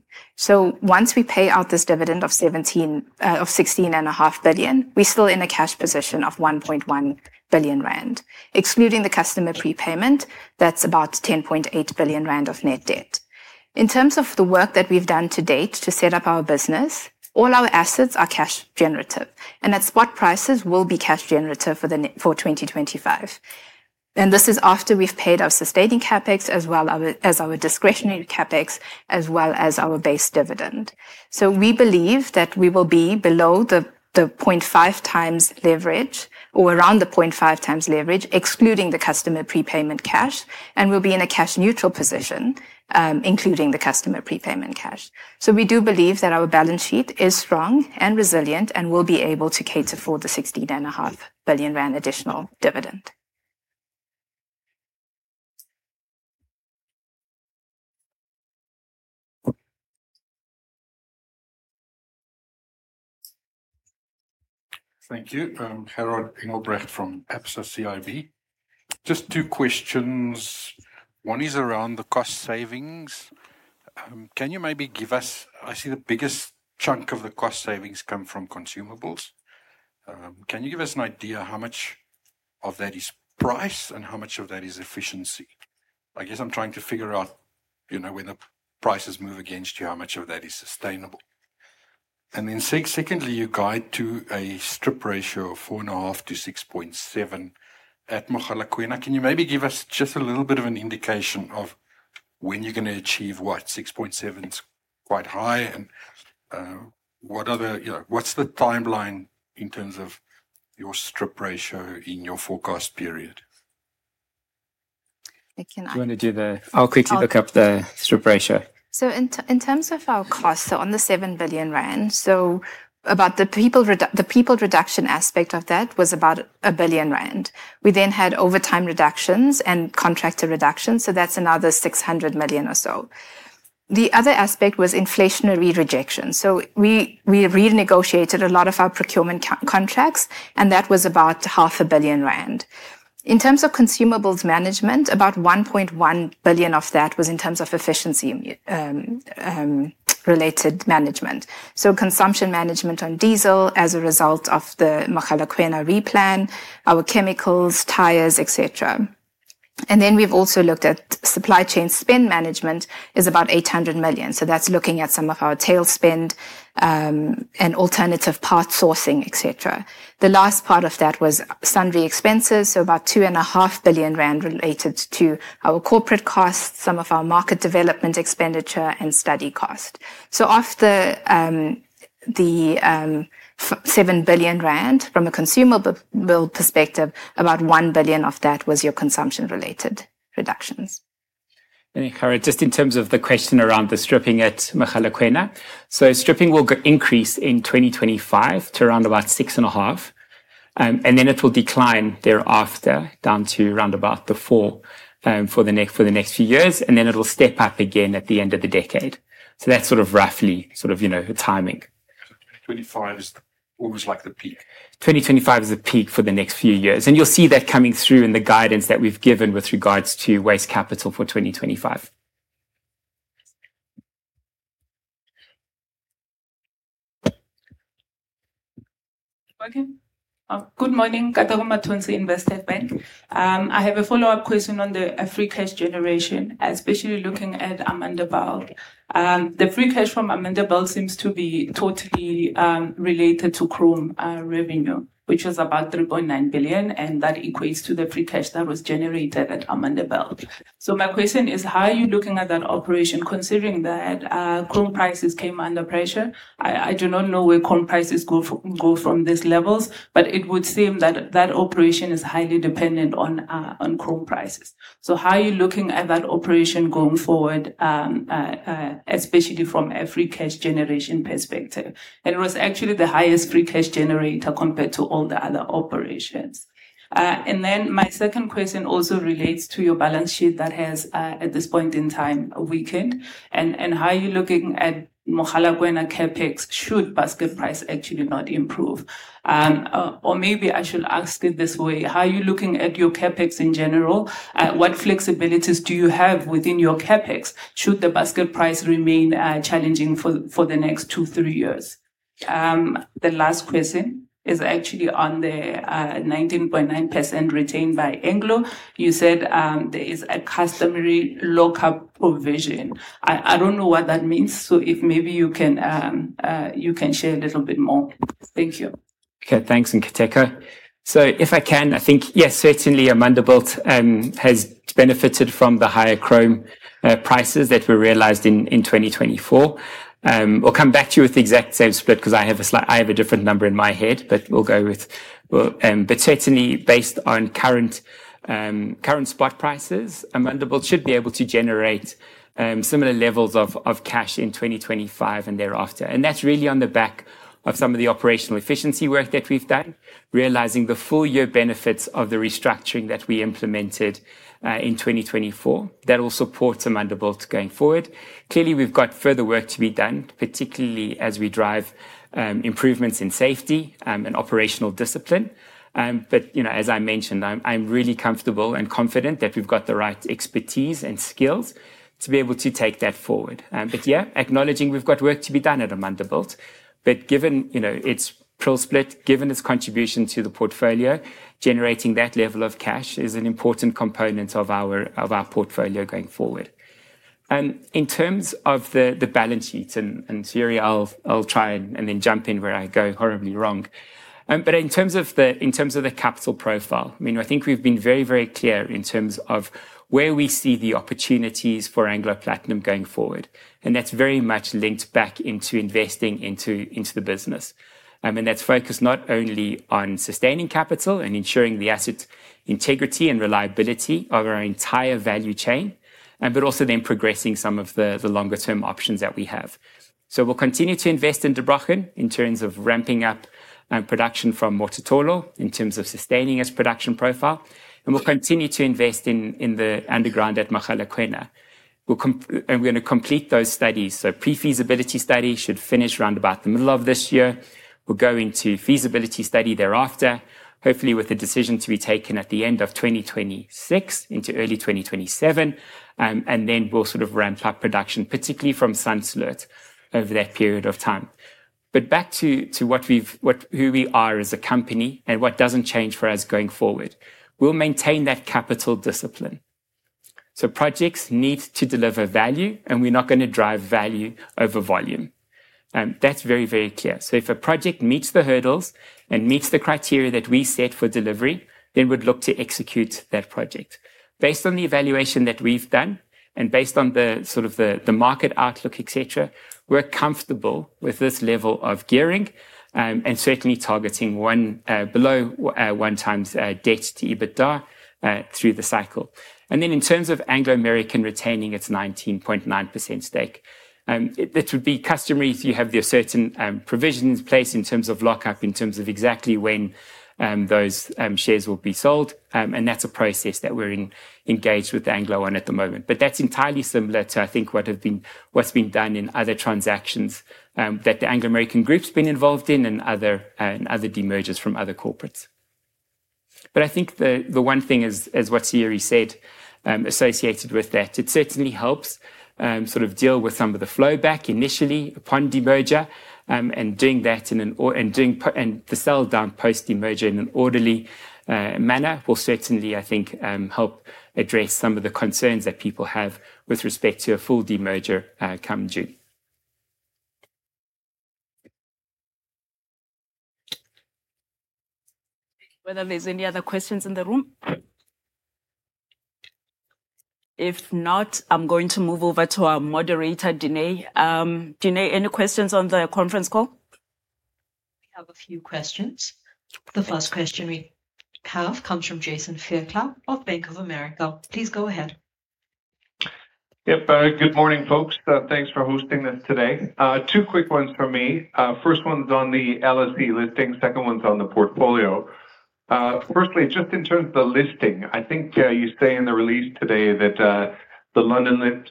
Once we pay out this dividend of 16.5 billion, we're still in a cash position of 1.1 billion rand. Excluding the customer prepayment, that's about 10.8 billion rand of net debt. In terms of the work that we've done to date to set up our business, all our assets are cash generative, and at spot prices will be cash generative for 2025. And this is after we've paid our sustaining CapEx as well as our discretionary CapEx, as well as our base dividend. So, we believe that we will be below the 0.5 times leverage or around the 0.5 times leverage, excluding the customer prepayment cash, and we'll be in a cash neutral position, including the customer prepayment cash. So, we do believe that our balance sheet is strong and resilient and will be able to cater for the 16.5 billion rand additional dividend. Thank you. Gerhard Engelbrecht from Absa CIB. Just two questions. One is around the cost savings. Can you maybe give us? I see the biggest chunk of the cost savings come from consumables. Can you give us an idea how much of that is price and how much of that is efficiency? I guess I'm trying to figure out, you know, when the prices move against you, how much of that is sustainable. And then secondly, you guide to a strip ratio of 4.5-6.7 at Mogalakwena. Can you maybe give us just a little bit of an indication of when you're going to achieve what? 6.7 is quite high. And what are the, you know, what's the timeline in terms of your strip ratio in your forecast period? I cannot. Do you want to do the, I'll quickly look up the strip ratio. So, in terms of our cost, so on the 7 billion rand, so about the people reduction aspect of that was about 1 billion rand. We then had overtime reductions and contractor reductions, so that's another 600 million or so. The other aspect was inflationary rejection. So, we renegotiated a lot of our procurement contracts, and that was about 500 million rand. In terms of consumables management, about 1.1 billion of that was in terms of efficiency related management. So, consumption management on diesel as a result of the Mogalakwena re-plan, our chemicals, tires, etc. And then we've also looked at supply chain spend management is about 800 million. So, that's looking at some of our tail spend and alternative part sourcing, etc. The last part of that was sundry expenses, so about 2.5 billion rand related to our corporate costs, some of our market development expenditure, and study cost. So, off the 7 billion rand from a consumable perspective, about 1 billion of that was your consumption related reductions. Thank you, Gerhard. Just in terms of the question around the stripping at Mogalakwena. So, stripping will increase in 2025 to around about 6.5, and then it will decline thereafter down to around about the 4 for the next few years, and then it will step up again at the end of the decade. That's sort of roughly sort of, you know, the timing. 2025 is almost like the peak. 2025 is the peak for the next few years. And you'll see that coming through in the guidance that we've given with regards to waste capital for 2025. Okay. Good morning. Nkateko Mathonsi, Investec. I have a follow-up question on the free cash generation, especially looking at Amandelbult. The free cash from Amandelbult seems to be totally related to chrome revenue, which is about 3.9 billion, and that equates to the free cash that was generated at Amandelbult. My question is, how are you looking at that operation considering that chrome prices came under pressure? I do not know where chrome prices go from these levels, but it would seem that that operation is highly dependent on chrome prices. How are you looking at that operation going forward, especially from a free cash generation perspective? It was actually the highest free cash generator compared to all the other operations. Then my second question also relates to your balance sheet that has at this point in time weakened. How are you looking at Mogalakwena CapEx should basket price actually not improve? Or maybe I should ask it this way. How are you looking at your CapEx in general? What flexibilities do you have within your CapEx should the basket price remain challenging for the next two, three years? The last question is actually on the 19.9% retained by Anglo. You said there is a customary lock-up provision. I don't know what that means. So, if maybe you can share a little bit more. Thank you. Okay, thanks, Nkateko. If I can, I think, yes, certainly Amandelbult has benefited from the higher chrome prices that were realized in 2024. I'll come back to you with the exact same split because I have a different number in my head, but we'll go with, but certainly based on current spot prices, Amandelbult should be able to generate similar levels of cash in 2025 and thereafter. That's really on the back of some of the operational efficiency work that we've done, realizing the full year benefits of the restructuring that we implemented in 2024. That will support Amandelbult going forward. Clearly, we've got further work to be done, particularly as we drive improvements in safety and operational discipline. But, you know, as I mentioned, I'm really comfortable and confident that we've got the right expertise and skills to be able to take that forward. But yeah, acknowledging we've got work to be done at Amandelbult. But given, you know, its prill split, given its contribution to the portfolio, generating that level of cash is an important component of our portfolio going forward. In terms of the balance sheet and treasury, I'll try and then jump in where I go horribly wrong. But in terms of the capital profile, I mean, I think we've been very, very clear in terms of where we see the opportunities for Anglo Platinum going forward. And that's very much linked back into investing into the business. And that's focused not only on sustaining capital and ensuring the asset integrity and reliability of our entire value chain, but also then progressing some of the longer-term options that we have. So, we'll continue to invest in Der Brochen in terms of ramping up production from Mototolo in terms of sustaining its production profile. And we'll continue to invest in the underground at Mogalakwena. We're going to complete those studies. So, pre-feasibility study should finish around about the middle of this year. We'll go into feasibility study thereafter, hopefully with a decision to be taken at the end of 2026 into early 2027. And then we'll sort of ramp up production, particularly from Sandsloot, over that period of time. But back to what we've, who we are as a company and what doesn't change for us going forward. We'll maintain that capital discipline. Projects need to deliver value, and we're not going to drive value over volume. That's very, very clear. If a project meets the hurdles and meets the criteria that we set for delivery, then we'd look to execute that project. Based on the evaluation that we've done and based on the sort of the market outlook, etc., we're comfortable with this level of gearing and certainly targeting one below one times debt to EBITDA through the cycle. In terms of Anglo American retaining its 19.9% stake, this would be customary. You have the certain provisions placed in terms of lockup, in terms of exactly when those shares will be sold. That's a process that we're engaged with Anglo on at the moment. But that's entirely similar to, I think, what's been done in other transactions that the Anglo American group's been involved in and other de-mergers from other corporates. But I think the one thing, as what Sayuri said, associated with that, it certainly helps sort of deal with some of the flow back initially upon de-merger. And doing that and the sell down post de-merger in an orderly manner will certainly, I think, help address some of the concerns that people have with respect to a full de-merger come June. Whether there's any other questions in the room? If not, I'm going to move over to our moderator, Dineo. Dineo, any questions on the conference call? We have a few questions. The first question we have comes from Jason Fairclough of Bank of America. Please go ahead. Yep, good morning, folks. Thanks for hosting this today. Two quick ones for me. First one's on the LSE listing. Second one's on the portfolio. Firstly, just in terms of the listing, I think you say in the release today that the London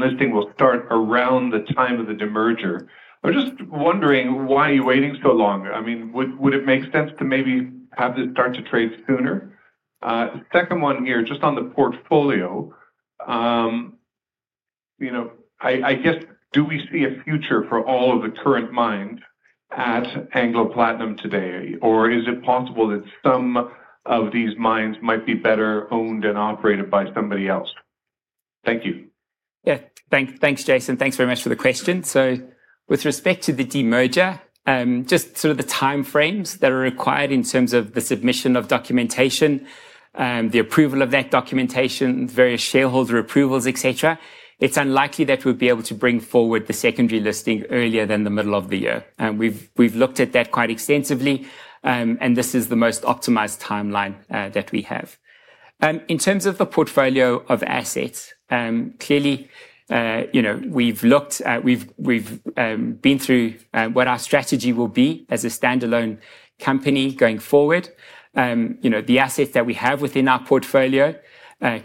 listing will start around the time of the de-merger. I'm just wondering, why are you waiting so long? I mean, would it make sense to maybe have this start to trade sooner? Second one here, just on the portfolio, you know, I guess, do we see a future for all of the current mines at Anglo Platinum today? Or is it possible that some of these mines might be better owned and operated by somebody else? Thank you. Yeah, thanks, Jason. Thanks very much for the question. With respect to the de-merger, just sort of the time frames that are required in terms of the submission of documentation, the approval of that documentation, various shareholder approvals, etc., it's unlikely that we'll be able to bring forward the secondary listing earlier than the middle of the year. We've looked at that quite extensively, and this is the most optimized timeline that we have. In terms of the portfolio of assets, clearly, you know, we've looked, we've been through what our strategy will be as a standalone company going forward. You know, the assets that we have within our portfolio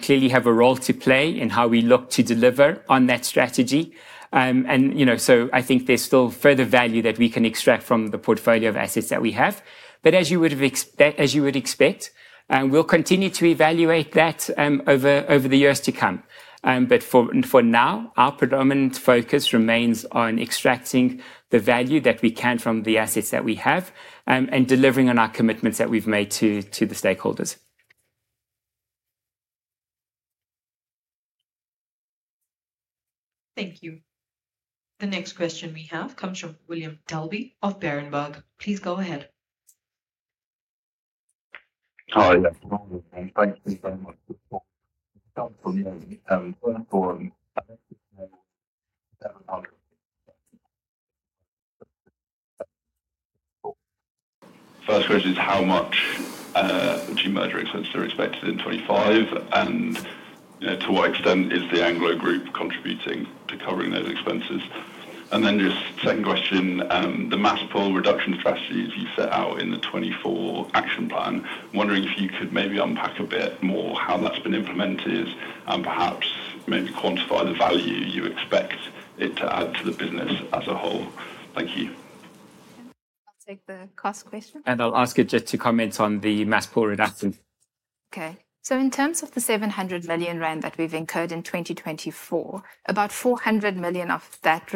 clearly have a role to play in how we look to deliver on that strategy. You know, so I think there's still further value that we can extract from the portfolio of assets that we have. But as you would expect, we'll continue to evaluate that over the years to come. But for now, our predominant focus remains on extracting the value that we can from the assets that we have and delivering on our commitments that we've made to the stakeholders. Thank you. The next question we have comes from William Dalby of Berenberg. Please go ahead. First question is, how much de-merger expenses are expected in 2025? And to what extent is the Anglo Group contributing to covering those expenses? And then just second question, the mass pull reduction strategies you set out in the 24 action plan, wondering if you could maybe unpack a bit more how that's been implemented and perhaps maybe quantify the value you expect it to add to the business as a whole. Thank you. I'll take the cost question. I'll ask it just to comment on the mass pull reduction. Okay. So, in terms of the 700 million rand that we've incurred in 2024, about 400 million of that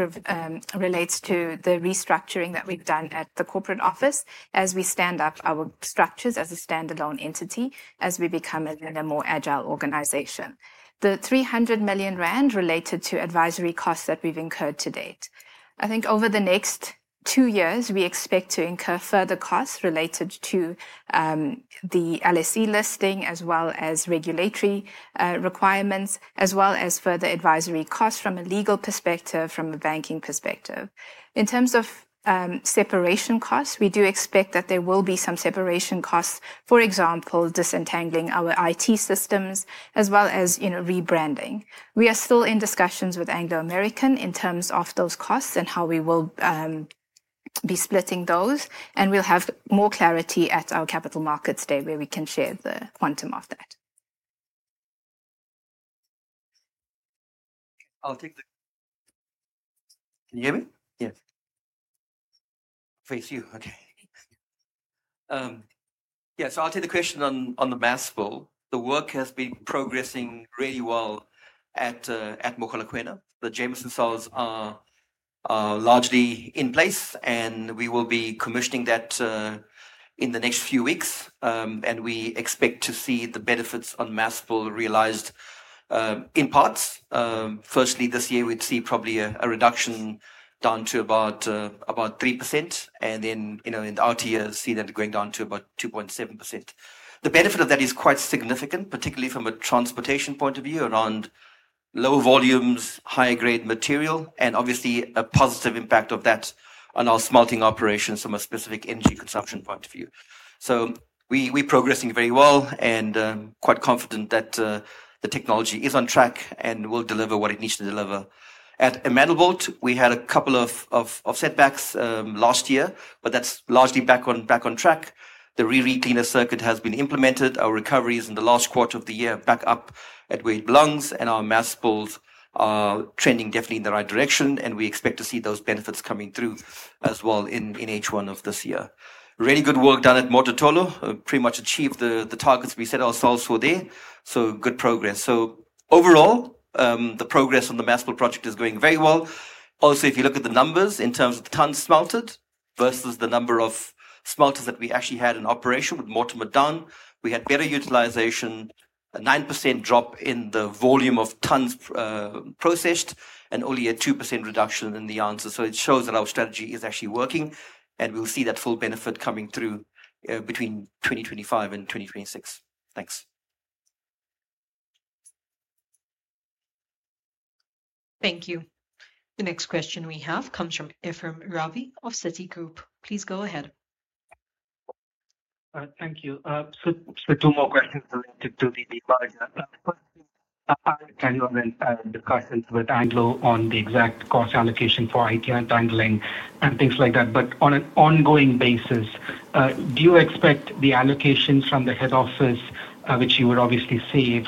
relates to the restructuring that we've done at the corporate office as we stand up our structures as a standalone entity as we become a more agile organization. The 300 million rand related to advisory costs that we've incurred to date. I think over the next two years, we expect to incur further costs related to the LSE listing as well as regulatory requirements, as well as further advisory costs from a legal perspective, from a banking perspective. In terms of separation costs, we do expect that there will be some separation costs, for example, disentangling our IT systems as well as, you know, rebranding. We are still in discussions with Anglo American in terms of those costs and how we will be splitting those. We'll have more clarity at our Capital Markets Day where we can share the quantum of that. Can you hear me? Yes. Thank you. Okay. Yeah, so I'll take the question on the mass pull. The work has been progressing really well at Mogalakwena. The Jameson Cells are largely in place, and we will be commissioning that in the next few weeks. We expect to see the benefits on mass pull realized in parts. Firstly, this year, we'd see probably a reduction down to about 3%. And then, you know, in the outer year, see that going down to about 2.7%. The benefit of that is quite significant, particularly from a transportation point of view around low volumes, high-grade material, and obviously a positive impact of that on our smelting operations from a specific energy consumption point of view. So, we're progressing very well and quite confident that the technology is on track and will deliver what it needs to deliver. At Amandelbult, we had a couple of setbacks last year, but that's largely back on track. The regrind cleaner circuit has been implemented. Our recovery is in the last quarter of the year back up at where it belongs, and our mass pull are trending definitely in the right direction, and we expect to see those benefits coming through as well in H1 of this year. Really good work done at Mototolo. Pretty much achieved the targets we set ourselves for there. So, good progress. So, overall, the progress on the mass pull project is going very well. Also, if you look at the numbers in terms of the tons smelted versus the number of smelters that we actually had in operation with Mortimer done, we had better utilization, a 9% drop in the volume of tons processed, and only a 2% reduction in the output. So, it shows that our strategy is actually working. And we'll see that full benefit coming through between 2025 and 2026. Thanks. Thank you. The next question we have comes from Ephrem Ravi of Citi. Please go ahead. Thank you. So, two more questions related to the unbundling. Can you discuss with Anglo on the exact cost allocation for IT unbundling and things like that? But on an ongoing basis, do you expect the allocations from the head office, which you would obviously save,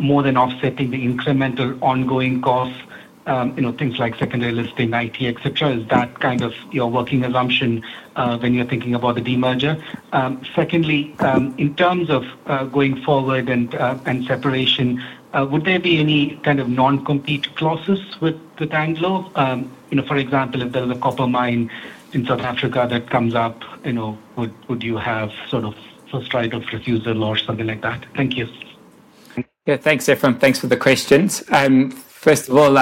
more than offsetting the incremental ongoing costs, you know, things like secondary listing, IT, etc.? Is that kind of your working assumption when you're thinking about the de-merger? Secondly, in terms of going forward and separation, would there be any kind of non-compete clauses with Anglo? You know, for example, if there's a copper mine in South Africa that comes up, you know, would you have sort of first right of refusal or something like that? Thank you. Yeah, thanks, Ephrem. Thanks for the questions. First of all,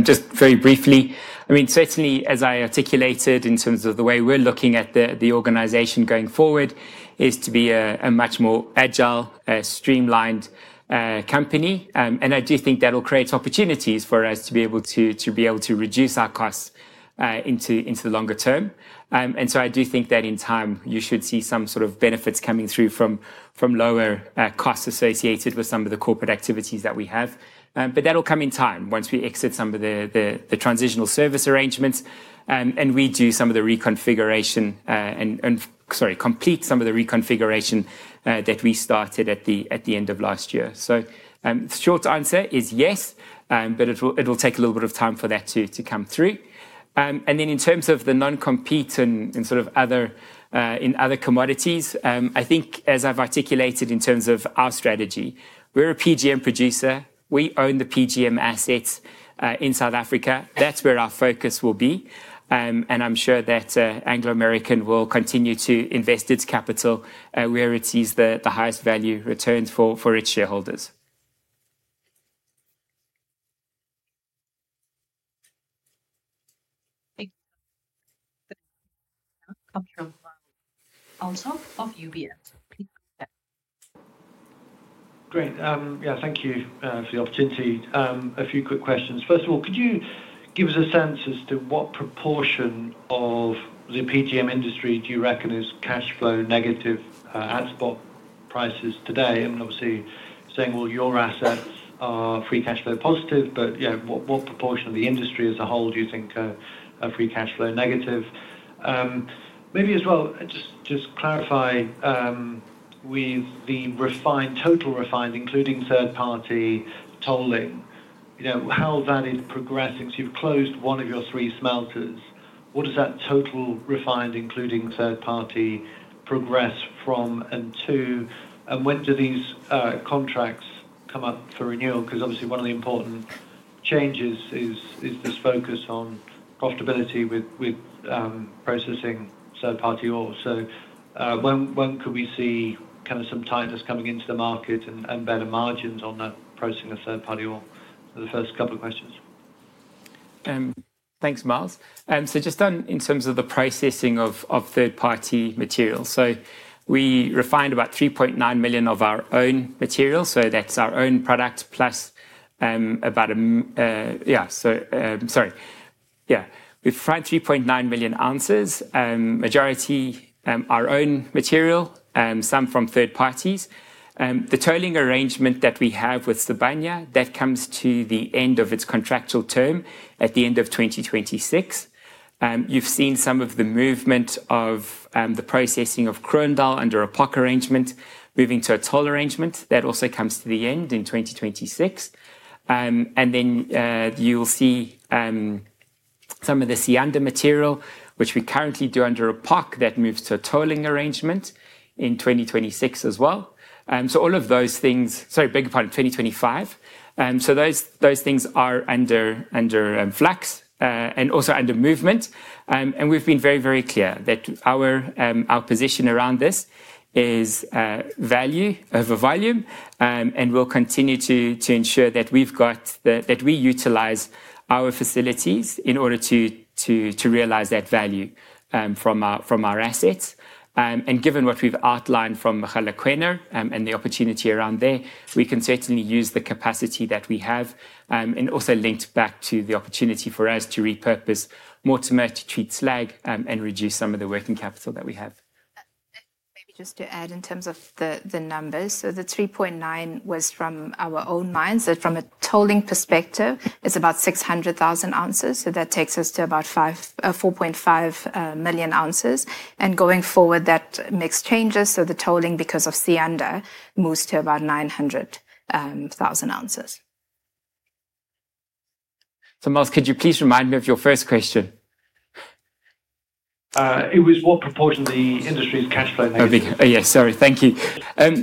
just very briefly, I mean, certainly, as I articulated in terms of the way we're looking at the organization going forward, is to be a much more agile, streamlined company I do think that will create opportunities for us to be able to reduce our costs into the longer term. And so, I do think that in time, you should see some sort of benefits coming through from lower costs associated with some of the corporate activities that we have. But that will come in time once we exit some of the transitional service arrangements and redo some of the reconfiguration and, sorry, complete some of the reconfiguration that we started at the end of last year. So, the short answer is yes, but it will take a little bit of time for that to come through. And then, in terms of the non-compete and sort of other commodities, I think, as I've articulated in terms of our strategy, we're a PGM producer. We own the PGM assets in South Africa. That's where our focus will be. I'm sure that Anglo American will continue to invest its capital where it sees the highest value returns for its shareholders. Great. Yeah, thank you for the opportunity. A few quick questions. First of all, could you give us a sense as to what proportion of the PGM industry do you reckon is cash flow negative at spot prices today? I mean, obviously, saying, well, your assets are free cash flow positive, but yeah, what proportion of the industry as a whole do you think are free cash flow negative? Maybe as well, just clarify with the total refined, including third-party tolling, how is it progressing? So, you've closed one of your three smelters. What does that total refined, including third-party, progress from and to? And when do these contracts come up for renewal? Because obviously, one of the important changes is this focus on profitability with processing third-party ore. When could we see kind of some tightness coming into the market and better margins on that processing of third-party ore? The first couple of questions. Thanks, Miles. Just in terms of the processing of third-party materials, we refined about 3.9 million ounces of our own material. That's our own product plus some from third parties. We've refined 3.9 million ounces, majority our own material, some from third parties. The tolling arrangement that we have with Sibanye-Stillwater comes to the end of its contractual term at the end of 2026. You've seen some of the movement of the processing of Kroondal under a POC arrangement moving to a toll arrangement. That also comes to the end in 2026. And then you'll see some of the Siyanda material, which we currently do under a POC that moves to a tolling arrangement in 2026 as well. So, all of those things, sorry, bigger part of 2025. So, those things are under flux and also under movement. And we've been very, very clear that our position around this is value over volume. And we'll continue to ensure that we've got that we utilize our facilities in order to realize that value from our assets. And given what we've outlined from Mogalakwena and the opportunity around there, we can certainly use the capacity that we have and also link back to the opportunity for us to repurpose Mortimer to treat slag and reduce some of the working capital that we have. Maybe just to add in terms of the numbers, so the 3.9 was from our own mines. So, from a tolling perspective, it's about 600,000 ounces. So, that takes us to about 4.5 million ounces. And going forward, that makes changes. So, the tolling, because of Siyanda, moves to about 900,000 ounces. So, Miles, could you please remind me of your first question? It was what proportion of the industry's cash flow negative? Yes, sorry. Thank you.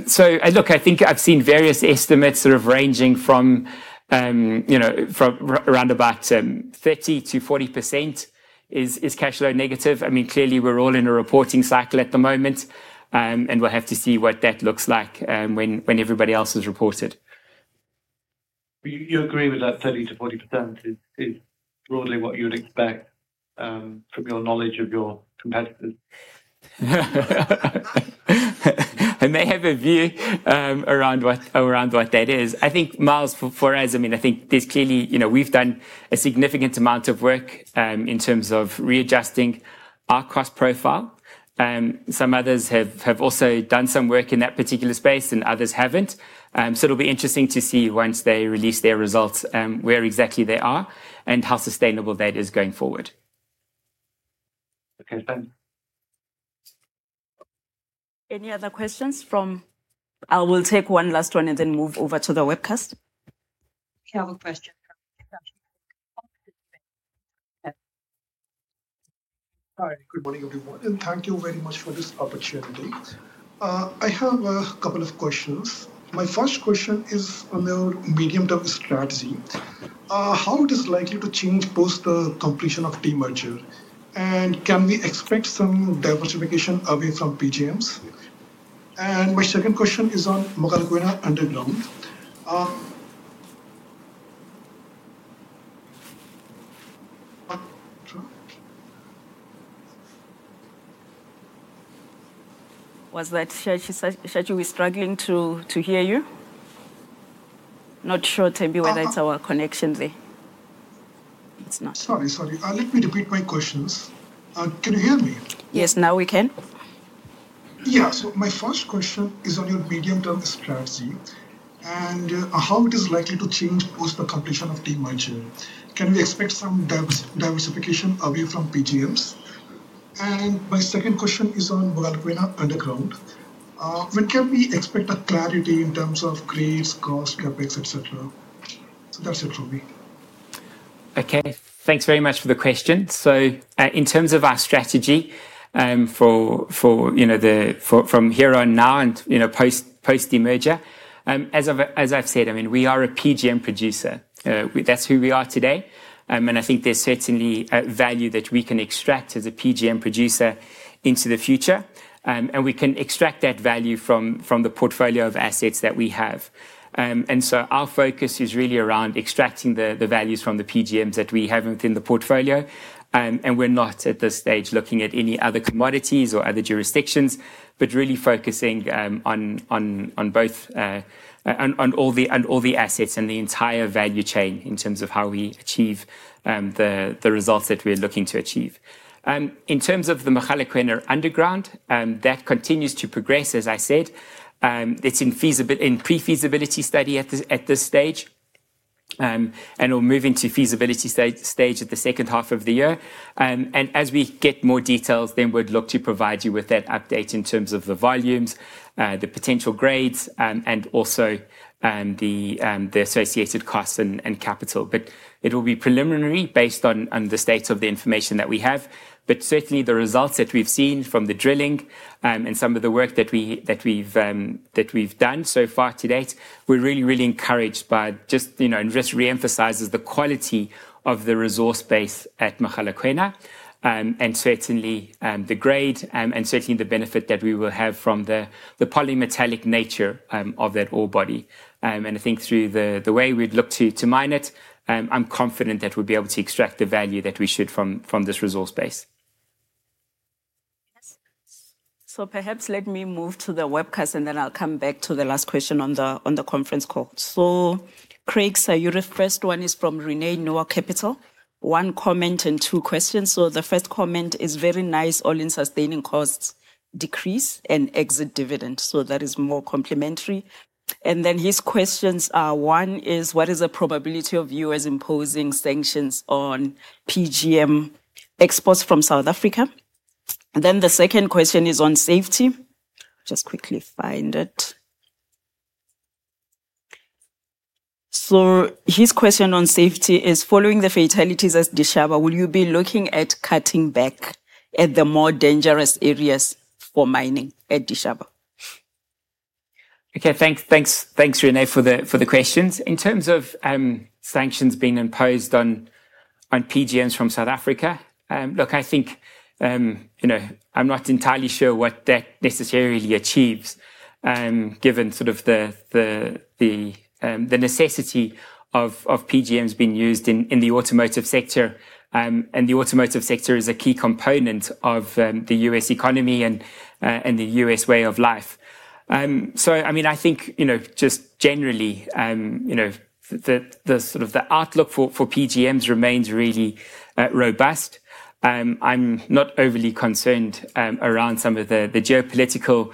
So, look, I think I've seen various estimates sort of ranging from, you know, from around about 30%-40% is cash flow negative. I mean, clearly, we're all in a reporting cycle at the moment. And we'll have to see what that looks like when everybody else has reported. You agree with that 30%-40% is broadly what you would expect from your knowledge of your competitors? I may have a view around what that is. I think, Miles, for us, I mean, I think there's clearly, you know, we've done a significant amount of work in terms of readjusting our cost profile. Some others have also done some work in that particular space and others haven't. So, it'll be interesting to see once they release their results where exactly they are and how sustainable that is going forward. Okay, thanks. Any other questions from? I will take one last one and then move over to the webcast. Hi, good morning, everyone. And thank you very much for this opportunity. I have a couple of questions. My first question is on your medium-term strategy. How is it likely to change post-completion of de-merger? And can we expect some diversification away from PGMs? And my second question is on Mogalakwena Underground. Was that Shachi? Shachi, we're struggling to hear you. Not sure, Tebby, whether it's our connection there. Sorry, sorry. Let me repeat my questions. Can you hear me? Yes, now we can. Yeah, so my first question is on your medium-term strategy and how it is likely to change post-completion of de-merger. Can we expect some diversification away from PGMs? And my second question is on Mogalakwena Underground. When can we expect a clarity in terms of grades, cost, CapEx, etc.? So, that's it from me. Okay, thanks very much for the question. So, in terms of our strategy for, you know, from here on now and, you know, post-de-merger, as I've said, I mean, we are a PGM producer. That's who we are today. And I think there's certainly value that we can extract as a PGM producer into the future. And we can extract that value from the portfolio of assets that we have. And so, our focus is really around extracting the values from the PGMs that we have within the portfolio. We're not at this stage looking at any other commodities or other jurisdictions, but really focusing on both, on all the assets and the entire value chain in terms of how we achieve the results that we're looking to achieve. In terms of the Mogalakwena Underground, that continues to progress, as I said. It's in pre-feasibility study at this stage. We'll move into feasibility stage at the second half of the year. As we get more details, then we'd look to provide you with that update in terms of the volumes, the potential grades, and also the associated costs and capital. But it will be preliminary based on the state of the information that we have. But certainly, the results that we've seen from the drilling and some of the work that we've done so far to date. We're really, really encouraged by just, you know, and just reemphasizes the quality of the resource base at Mogalakwena. And certainly, the grade and certainly the benefit that we will have from the polymetallic nature of that ore body. And I think through the way we'd look to mine it. I'm confident that we'll be able to extract the value that we should from this resource base. So, perhaps let me move to the webcast and then I'll come back to the last question on the conference call. So, Craig, so your first one is from Rene Noah Capital. One comment and two questions. So, the first comment is very nice, all-in sustaining costs decrease and exit dividend. So, that is more complimentary. Then his questions are, one is, what is the probability of the U.S. imposing sanctions on PGM exports from South Africa? Then the second question is on safety. Just quickly find it. So, his question on safety is, following the fatalities at Dishaba, will you be looking at cutting back at the more dangerous areas for mining at Dishaba? Okay, thanks, thanks, thanks Rene for the questions. In terms of sanctions being imposed on PGMs from South Africa, look, I think, you know, I'm not entirely sure what that necessarily achieves given sort of the necessity of PGMs being used in the automotive sector. The automotive sector is a key component of the U.S. economy and the U.S. way of life. So, I mean, I think, you know, just generally, you know, the sort of the outlook for PGMs remains really robust. I'm not overly concerned around some of the geopolitical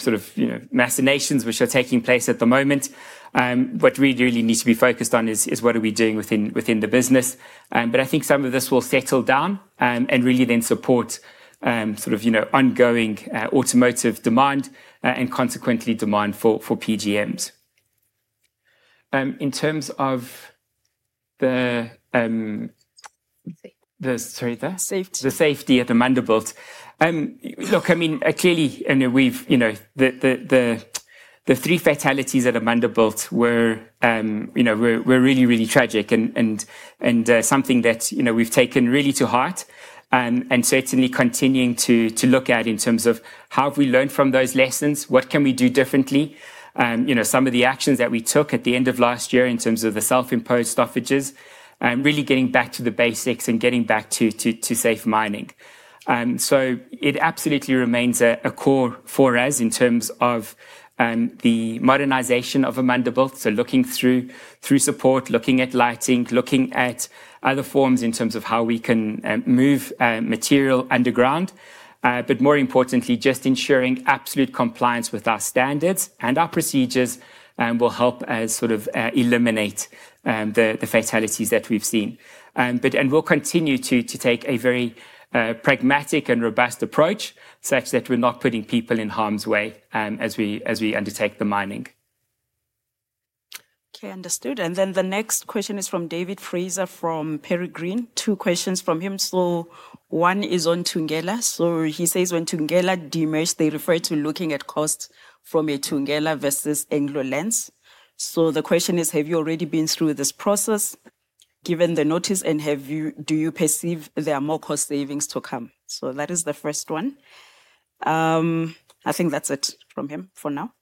sort of, you know, machinations which are taking place at the moment. What we really need to be focused on is what are we doing within the business, but I think some of this will settle down and really then support sort of, you know, ongoing automotive demand and consequently demand for PGMs. In terms of the, sorry, the safety at the Amandelbult, look, I mean, clearly, I mean, we've, you know, the three fatalities at the Amandelbult were, you know, really, really tragic and something that, you know, we've taken really to heart and certainly continuing to look at in terms of how have we learned from those lessons, what can we do differently? You know, some of the actions that we took at the end of last year in terms of the self-imposed stoppages, really getting back to the basics and getting back to safe mining. So, it absolutely remains a core for us in terms of the modernization of the Amandelbult. So, looking through support, looking at lighting, looking at other forms in terms of how we can move material underground. But more importantly, just ensuring absolute compliance with our standards and our procedures will help us sort of eliminate the fatalities that we've seen. But, and we'll continue to take a very pragmatic and robust approach such that we're not putting people in harm's way as we undertake the mining. Okay, understood. Then the next question is from David Fraser from Peregrine. Two questions from him. So, one is on Thungela. So, he says when Thungela de-merged, they referred to looking at costs from a Thungela versus Anglo lens. The question is, have you already been through this process given the notice and have you, do you perceive there are more cost savings to come? That is the first one. I think that's it from him for now.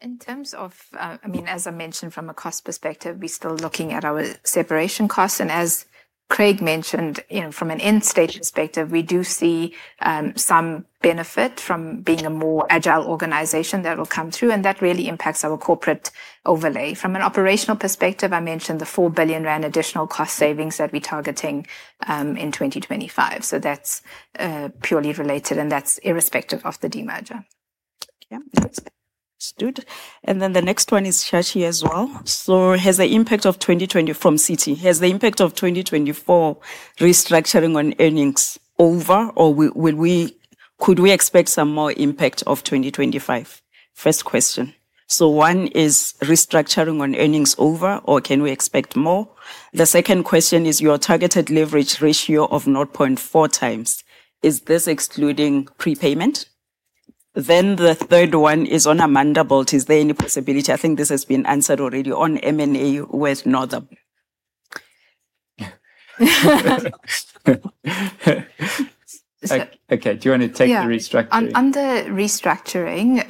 In terms of, I mean, as I mentioned from a cost perspective, we're still looking at our separation costs. As Craig mentioned, you know, from an end stage perspective, we do see some benefit from being a more agile organization that will come through. That really impacts our corporate overlay. From an operational perspective, I mentioned the 4 billion rand additional cost savings that we're targeting in 2025. That's purely related and that's irrespective of the de-merger. Okay, understood. Then the next one is Shachi as well. Has the impact of 2020 from CT, has the impact of 2024 restructuring on earnings over or will we, could we expect some more impact of 2025? First question. One is restructuring on earnings over or can we expect more? The second question is your targeted leverage ratio of 0.4 times. Is this excluding prepayment? Then the third one is on Amandelbult. Is there any possibility? I think this has been answered already on M&A with Northam. Okay, do you want to take the restructuring? Under restructuring,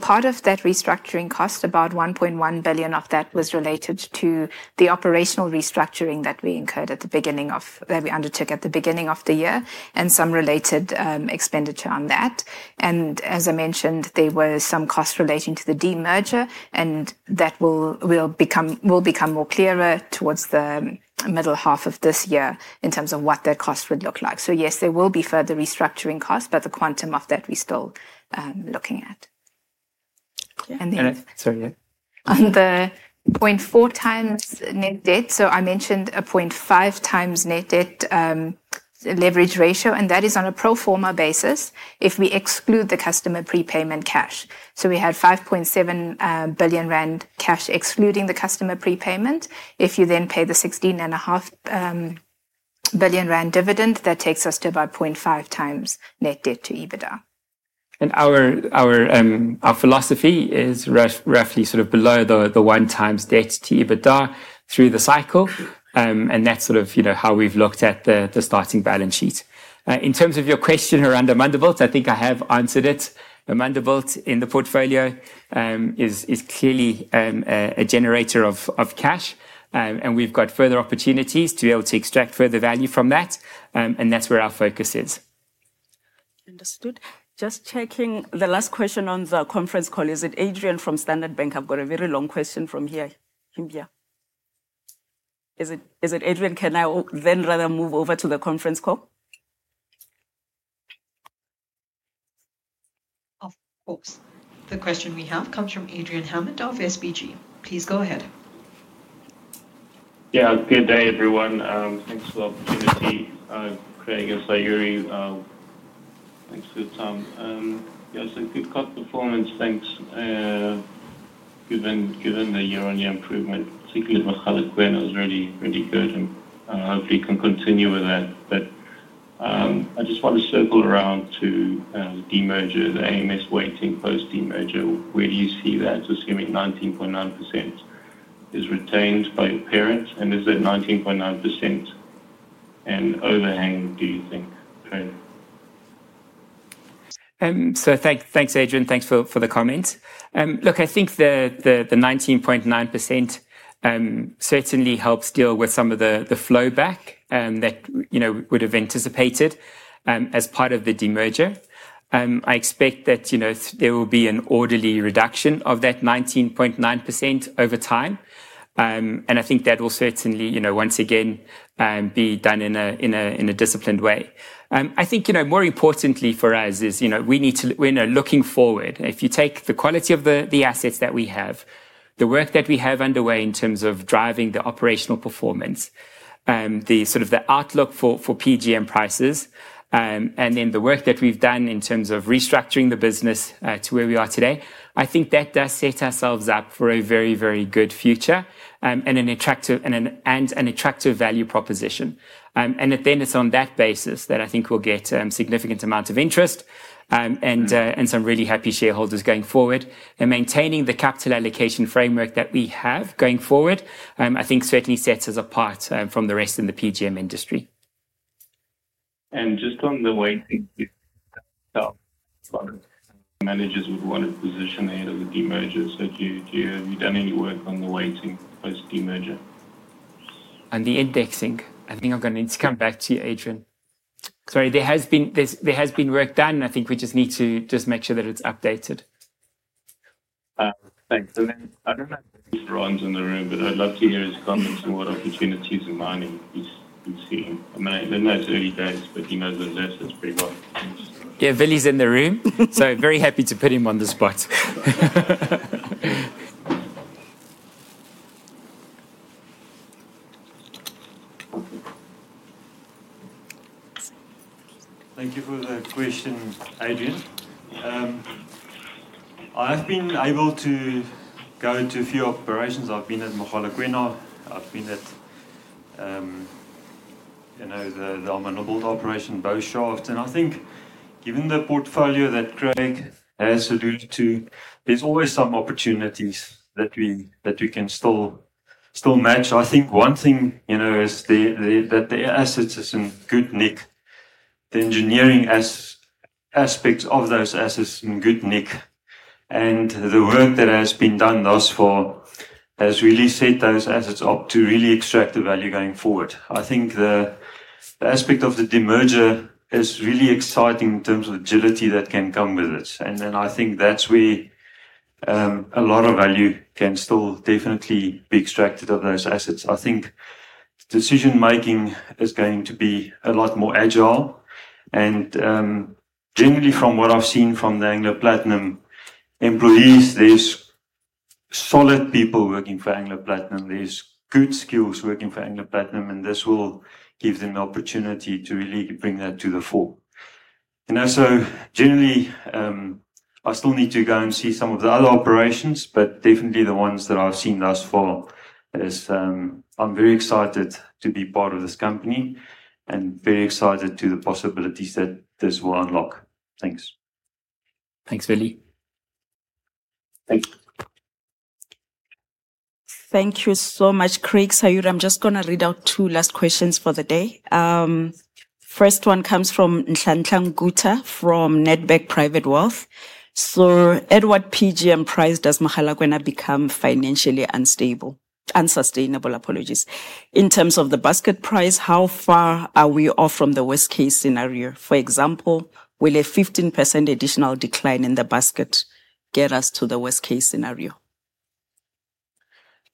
part of that restructuring cost, about 1.1 billion of that was related to the operational restructuring that we incurred at the beginning of, that we undertook at the beginning of the year and some related expenditure on that. And as I mentioned, there were some costs relating to the de-merger and that will become more clearer towards the middle half of this year in terms of what that cost would look like. So, yes, there will be further restructuring costs, but the quantum of that we're still looking at. And then, sorry, under 0.4 times net debt. So, I mentioned a 0.5 times net debt leverage ratio and that is on a pro forma basis if we exclude the customer prepayment cash. So, we had 5.7 billion rand cash excluding the customer prepayment. If you then pay the 16.5 billion rand dividend, that takes us to about 0.5 times net debt to EBITDA. And our philosophy is roughly sort of below the one times debt to EBITDA through the cycle. And that's sort of, you know, how we've looked at the starting balance sheet. In terms of your question around the Amandelbult, I think I have answered it. The Amandelbult in the portfolio is clearly a generator of cash. And we've got further opportunities to be able to extract further value from that. And that's where our focus is. Understood. Just checking the last question on the conference call. Is it Adrian from Standard Bank? I've got a very long question from here. Is it Adrian? Can I then rather move over to the conference call? Of course. The question we have comes from Adrian Hammond, SBG. Please go ahead. Yeah, good day, everyone. Thanks for the opportunity. Craig and Sayuri, thanks for your time. Yeah, so good cut performance, thanks. Given the year-on-year improvement, particularly with Mogalakwena, it was really, really good. And hopefully can continue with that. But I just want to circle around to de-merger, the AMS weighting post-de-merger. Where do you see that? Assuming 19.9% is retained by your parents. And is that 19.9% an overhang, do you think? Thanks, Adrian. Thanks for the comment. Look, I think the 19.9% certainly helps deal with some of the flow back that, you know, would have anticipated as part of the de-merger. I expect that, you know, there will be an orderly reduction of that 19.9% over time. And I think that will certainly, you know, once again, be done in a disciplined way. I think, you know, more importantly for us is, you know, we need to. We're now looking forward. If you take the quality of the assets that we have, the work that we have underway in terms of driving the operational performance, the sort of outlook for PGM prices, and then the work that we've done in terms of restructuring the business to where we are today, I think that does set ourselves up for a very, very good future and an attractive value proposition. And then it's on that basis that I think we'll get a significant amount of interest and some really happy shareholders going forward. And maintaining the capital allocation framework that we have going forward, I think certainly sets us apart from the rest in the PGM industry. And just on the weighting, managers would want to position ahead of the de-merger. So, have you done any work on the weighting post-de-merger? And the indexing, I think I'm going to need to come back to you, Adrian. Sorry, there has been work done. I think we just need to just make sure that it's updated. Thanks. I don't know if Willem's in the room, but I'd love to hear his comments on what opportunities in mining he's seen. I mean, I don't know his early days, but he knows his list. That's pretty well. Yeah, Willem is in the room. So, very happy to put him on the spot. Thank you for the question, Adrian. I've been able to go to a few operations. I've been at Mogalakwena. I've been at, you know, the Amandelbult operation, both shafts. And I think given the portfolio that Craig has alluded to, there's always some opportunities that we can still match. I think one thing, you know, is that the assets are in good nick. The engineering aspects of those assets are in good nick. And the work that has been done thus far has really set those assets up to really extract the value going forward. I think the aspect of the de-merger is really exciting in terms of agility that can come with it. And then I think that's where a lot of value can still definitely be extracted of those assets. I think decision making is going to be a lot more agile. And generally, from what I've seen from the Anglo Platinum employees, there's solid people working for Anglo Platinum. There's good skills working for Anglo Platinum. And this will give them the opportunity to really bring that to the fore. Generally, I still need to go and see some of the other operations, but definitely the ones that I've seen thus far is I'm very excited to be part of this company and very excited to the possibilities that this will unlock. Thanks. Thanks, Willem. Thank you. Thank you so much, Craig. Sayuri, I'm just going to read out two last questions for the day. First one comes from Santanguta from Nedbank Private Wealth. So, Edward, PGM price does Mogalakwena become financially unstable? Unsustainable, apologies. In terms of the basket price, how far are we off from the worst case scenario? For example, will a 15% additional decline in the basket get us to the worst case scenario?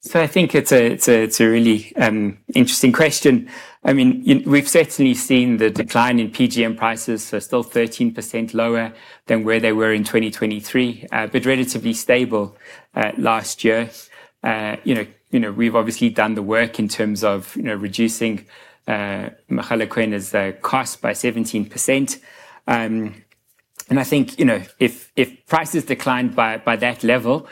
So, I think it's a really interesting question. I mean, we've certainly seen the decline in PGM prices. They're still 13% lower than where they were in 2023, but relatively stable last year. You know, we've obviously done the work in terms of, you know, reducing Mogalakwena's cost by 17%, and I think, you know, if prices declined by that level,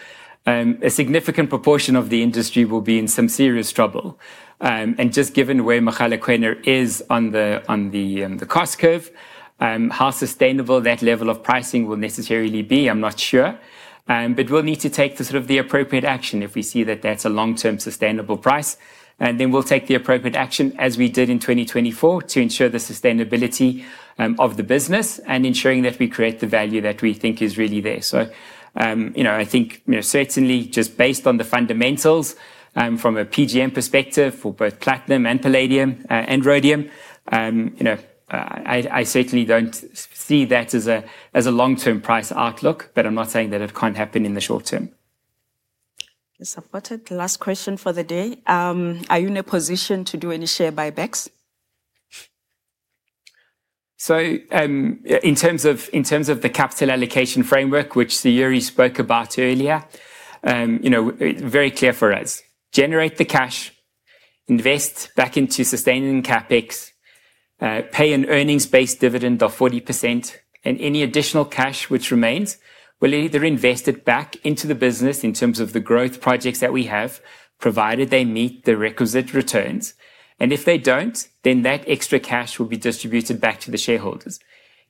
a significant proportion of the industry will be in some serious trouble, and just given where Mogalakwena is on the cost curve, how sustainable that level of pricing will necessarily be, I'm not sure, but we'll need to take the sort of the appropriate action if we see that that's a long-term sustainable price, and then we'll take the appropriate action as we did in 2024 to ensure the sustainability of the business and ensuring that we create the value that we think is really there. So, you know, I think, you know, certainly just based on the fundamentals from a PGM perspective for both Platinum and Palladium and Rhodium, you know, I certainly don't see that as a long-term price outlook, but I'm not saying that it can't happen in the short term. Supported. Last question for the day. Are you in a position to do any share buybacks? So, in terms of the capital allocation framework, which Sayuri spoke about earlier, you know, very clear for us. Generate the cash, invest back into sustaining CapEx, pay an earnings-based dividend of 40%, and any additional cash which remains will either be invested back into the business in terms of the growth projects that we have, provided they meet the requisite returns. And if they don't, then that extra cash will be distributed back to the shareholders.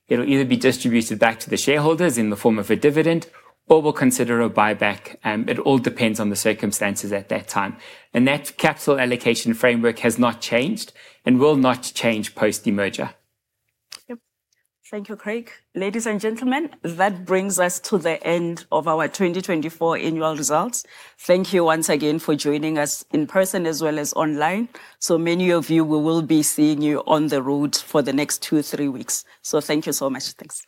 It'll either be distributed back to the shareholders in the form of a dividend or we'll consider a buyback. It all depends on the circumstances at that time. And that capital allocation framework has not changed and will not change post-de-merger. Yep. Thank you, Craig. Ladies and gentlemen, that brings us to the end of our 2024 annual results. Thank you once again for joining us in person as well as online. So, many of you, we will be seeing you on the road for the next two, three weeks. So, thank you so much. Thanks.